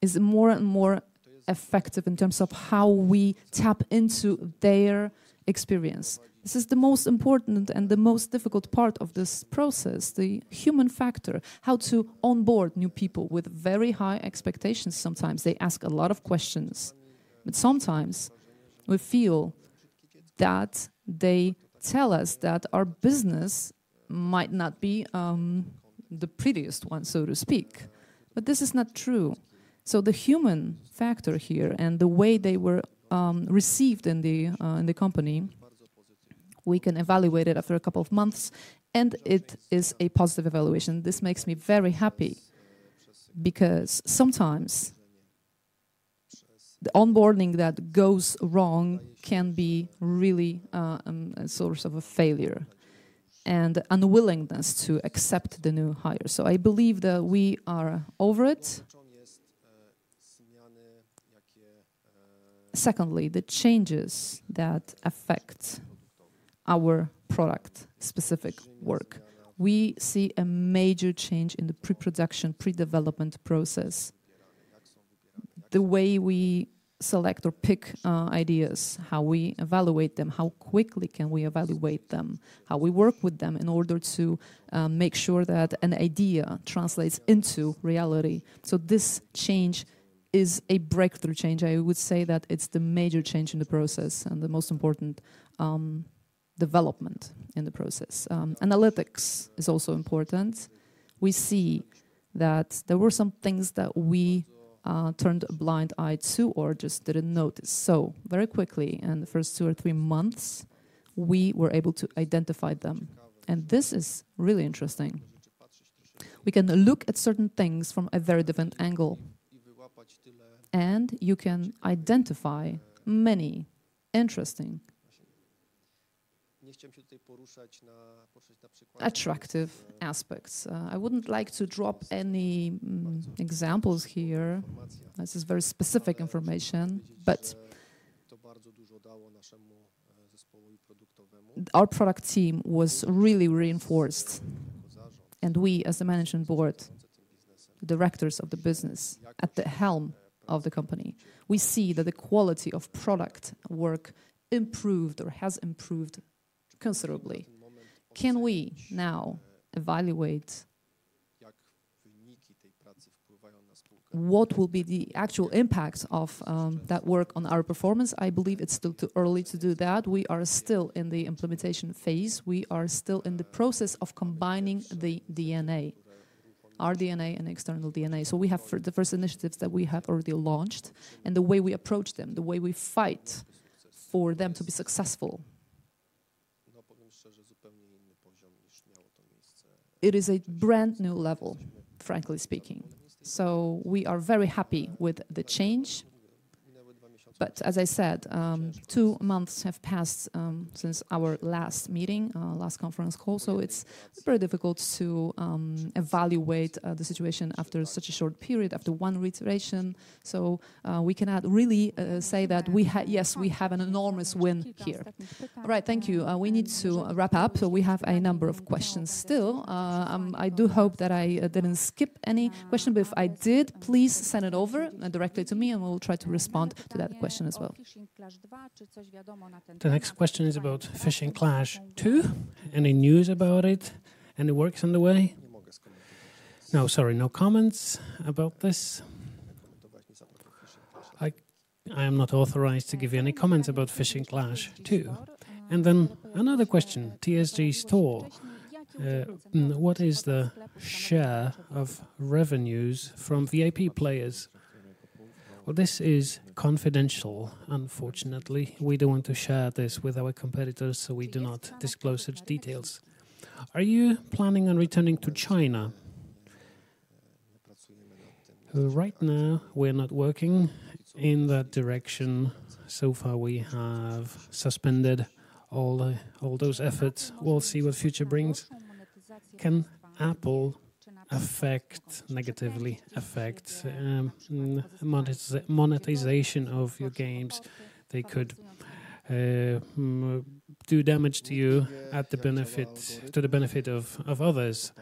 is more and more effective in terms of how we tap into their experience. This is the most important and the most difficult part of this process, the human factor, how to onboard new people with very high expectations. Sometimes they ask a lot of questions, but sometimes we feel that they tell us that our business might not be the prettiest one, so to speak. This is not true. The human factor here and the way they were received in the company, we can evaluate it after a couple of months, and it is a positive evaluation. This makes me very happy because sometimes the onboarding that goes wrong can be really a source of a failure and unwillingness to accept the new hires. I believe that we are over it. Secondly, the changes that affect our product-specific work. We see a major change in the pre-production, pre-development process. The way we select or pick ideas, how we evaluate them, how quickly can we evaluate them, how we work with them in order to make sure that an idea translates into reality. This change is a breakthrough change. I would say that it's the major change in the process and the most important development in the process. Analytics is also important. We see that there were some things that we turned a blind eye to or just did not notice. Very quickly, in the first two or three months, we were able to identify them. This is really interesting. We can look at certain things from a very different angle, and you can identify many interesting attractive aspects. I would not like to drop any examples here. This is very specific information, but our product team was really reinforced, and we, as the management board, directors of the business at the helm of the company, see that the quality of product work improved or has improved considerably. Can we now evaluate what will be the actual impact of that work on our performance? I believe it is still too early to do that. We are still in the implementation phase. We are still in the process of combining the DNA, our DNA and external DNA. We have the first initiatives that we have already launched and the way we approach them, the way we fight for them to be successful. It is a brand new level, frankly speaking. We are very happy with the change. As I said, two months have passed since our last meeting, last conference call. It is very difficult to evaluate the situation after such a short period, after one reiteration. We cannot really say that we have, yes, we have an enormous win here. All right, thank you. We need to wrap up. We have a number of questions still. I do hope that I did not skip any question, but if I did, please send it over directly to me, and we will try to respond to that question as well. The next question is about Fishing Clash 2. Any news about it? Any works underway? No, sorry, no comments about this. I am not authorized to give you any comments about Fishing Clash 2. Another question. TSG Store, what is the share of revenues from VIP players? This is confidential, unfortunately. We do not want to share this with our competitors, so we do not disclose such details. Are you planning on returning to China? Right now, we are not working in that direction. So far, we have suspended all those efforts. We will see what the future brings. Can Apple affect negatively the monetization of your games? They could do damage to you to the benefit of others.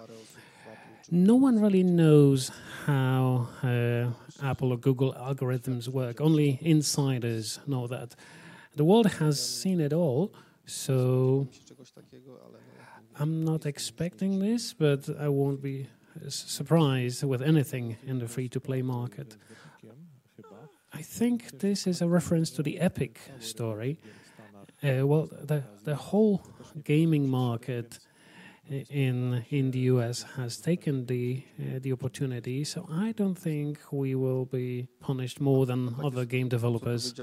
No one really knows how Apple or Google algorithms work. Only insiders know that. The world has seen it all. I'm not expecting this, but I won't be surprised with anything in the free-to-play market. I think this is a reference to the Epic story. The whole gaming market in the U.S. has taken the opportunity. I don't think we will be punished more than other game developers.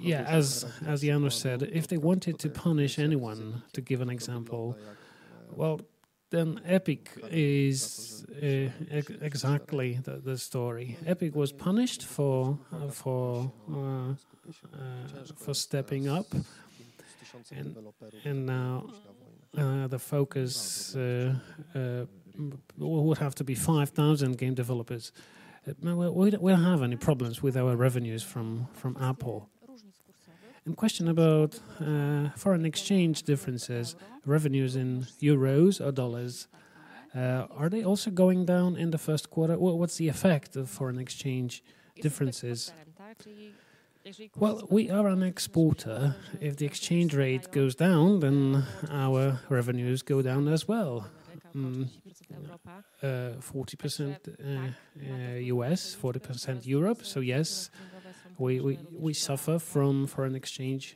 Yeah, as Janusz said, if they wanted to punish anyone, to give an example, Epic is exactly the story. Epic was punished for stepping up, and now the focus would have to be 5,000 game developers. We don't have any problems with our revenues from Apple. Question about foreign exchange differences, revenues in euros or dollars. Are they also going down in the first quarter? What's the effect of foreign exchange differences? We are an exporter. If the exchange rate goes down, then our revenues go down as well. 40% U.S., 40% Europe. Yes, we suffer from foreign exchange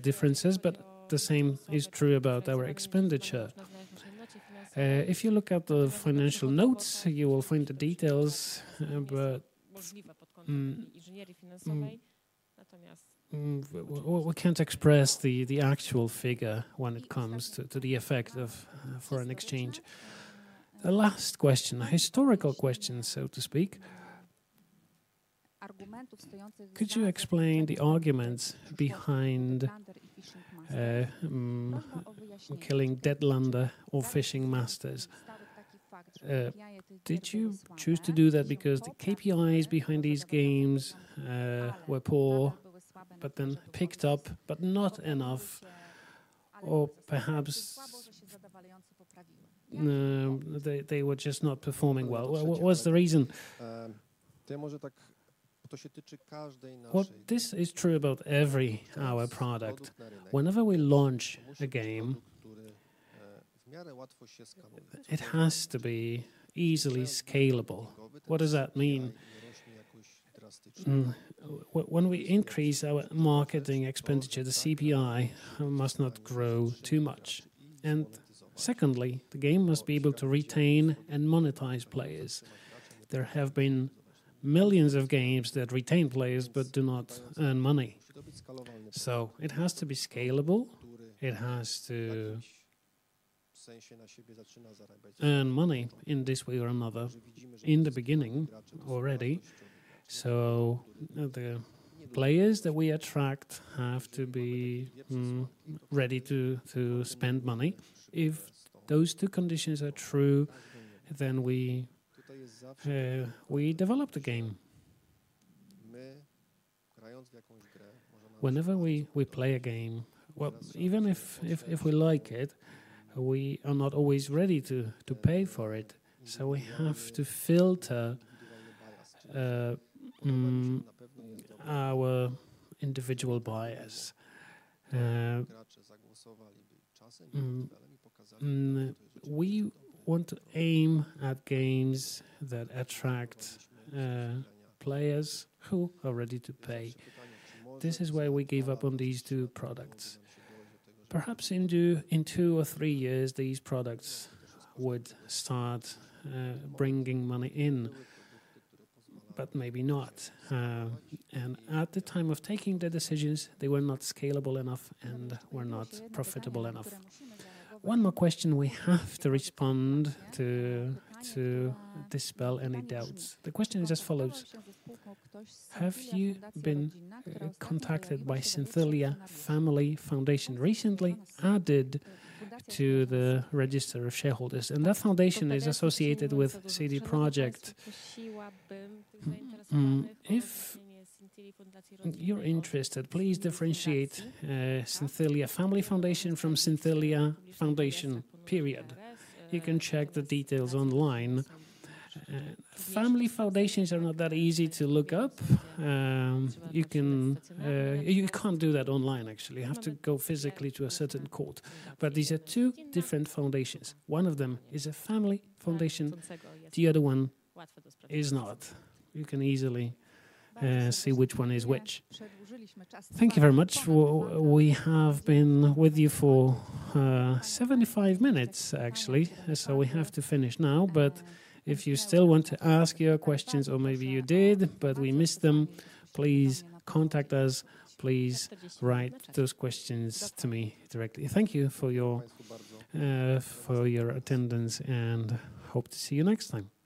differences, but the same is true about our expenditure. If you look at the financial notes, you will find the details, but we cannot express the actual figure when it comes to the effect of foreign exchange. The last question, a historical question, so to speak. Could you explain the arguments behind killing Deadlander or Fishing Masters? Did you choose to do that because the KPIs behind these games were poor, but then picked up, but not enough, or perhaps they were just not performing well? What was the reason? This is true about every our product. Whenever we launch a game, it has to be easily scalable. What does that mean? When we increase our marketing expenditure, the CPI must not grow too much. Secondly, the game must be able to retain and monetize players. There have been millions of games that retain players but do not earn money. It has to be scalable. It has to earn money in this way or another. In the beginning already. The players that we attract have to be ready to spend money. If those two conditions are true, then we develop the game. Whenever we play a game, even if we like it, we are not always ready to pay for it. We have to filter our individual bias. We want to aim at games that attract players who are ready to pay. This is why we gave up on these two products. Perhaps in two or three years, these products would start bringing money in, but maybe not. At the time of taking the decisions, they were not scalable enough and were not profitable enough. One more question we have to respond to dispel any doubts. The question just follows: Have you been contacted by Synthelia Family Foundation recently? Added to the register of shareholders. And that foundation is associated with CD Projekt. If you're interested, please differentiate Synthelia Family Foundation from Synthelia Foundation, period. You can check the details online. Family foundations are not that easy to look up. You can't do that online, actually. You have to go physically to a certain court. These are two different foundations. One of them is a family foundation. The other one is not. You can easily see which one is which. Thank you very much. We have been with you for 75 minutes, actually. We have to finish now. If you still want to ask your questions, or maybe you did, but we missed them, please contact us. Please write those questions to me directly. Thank you for your attendance and hope to see you next time.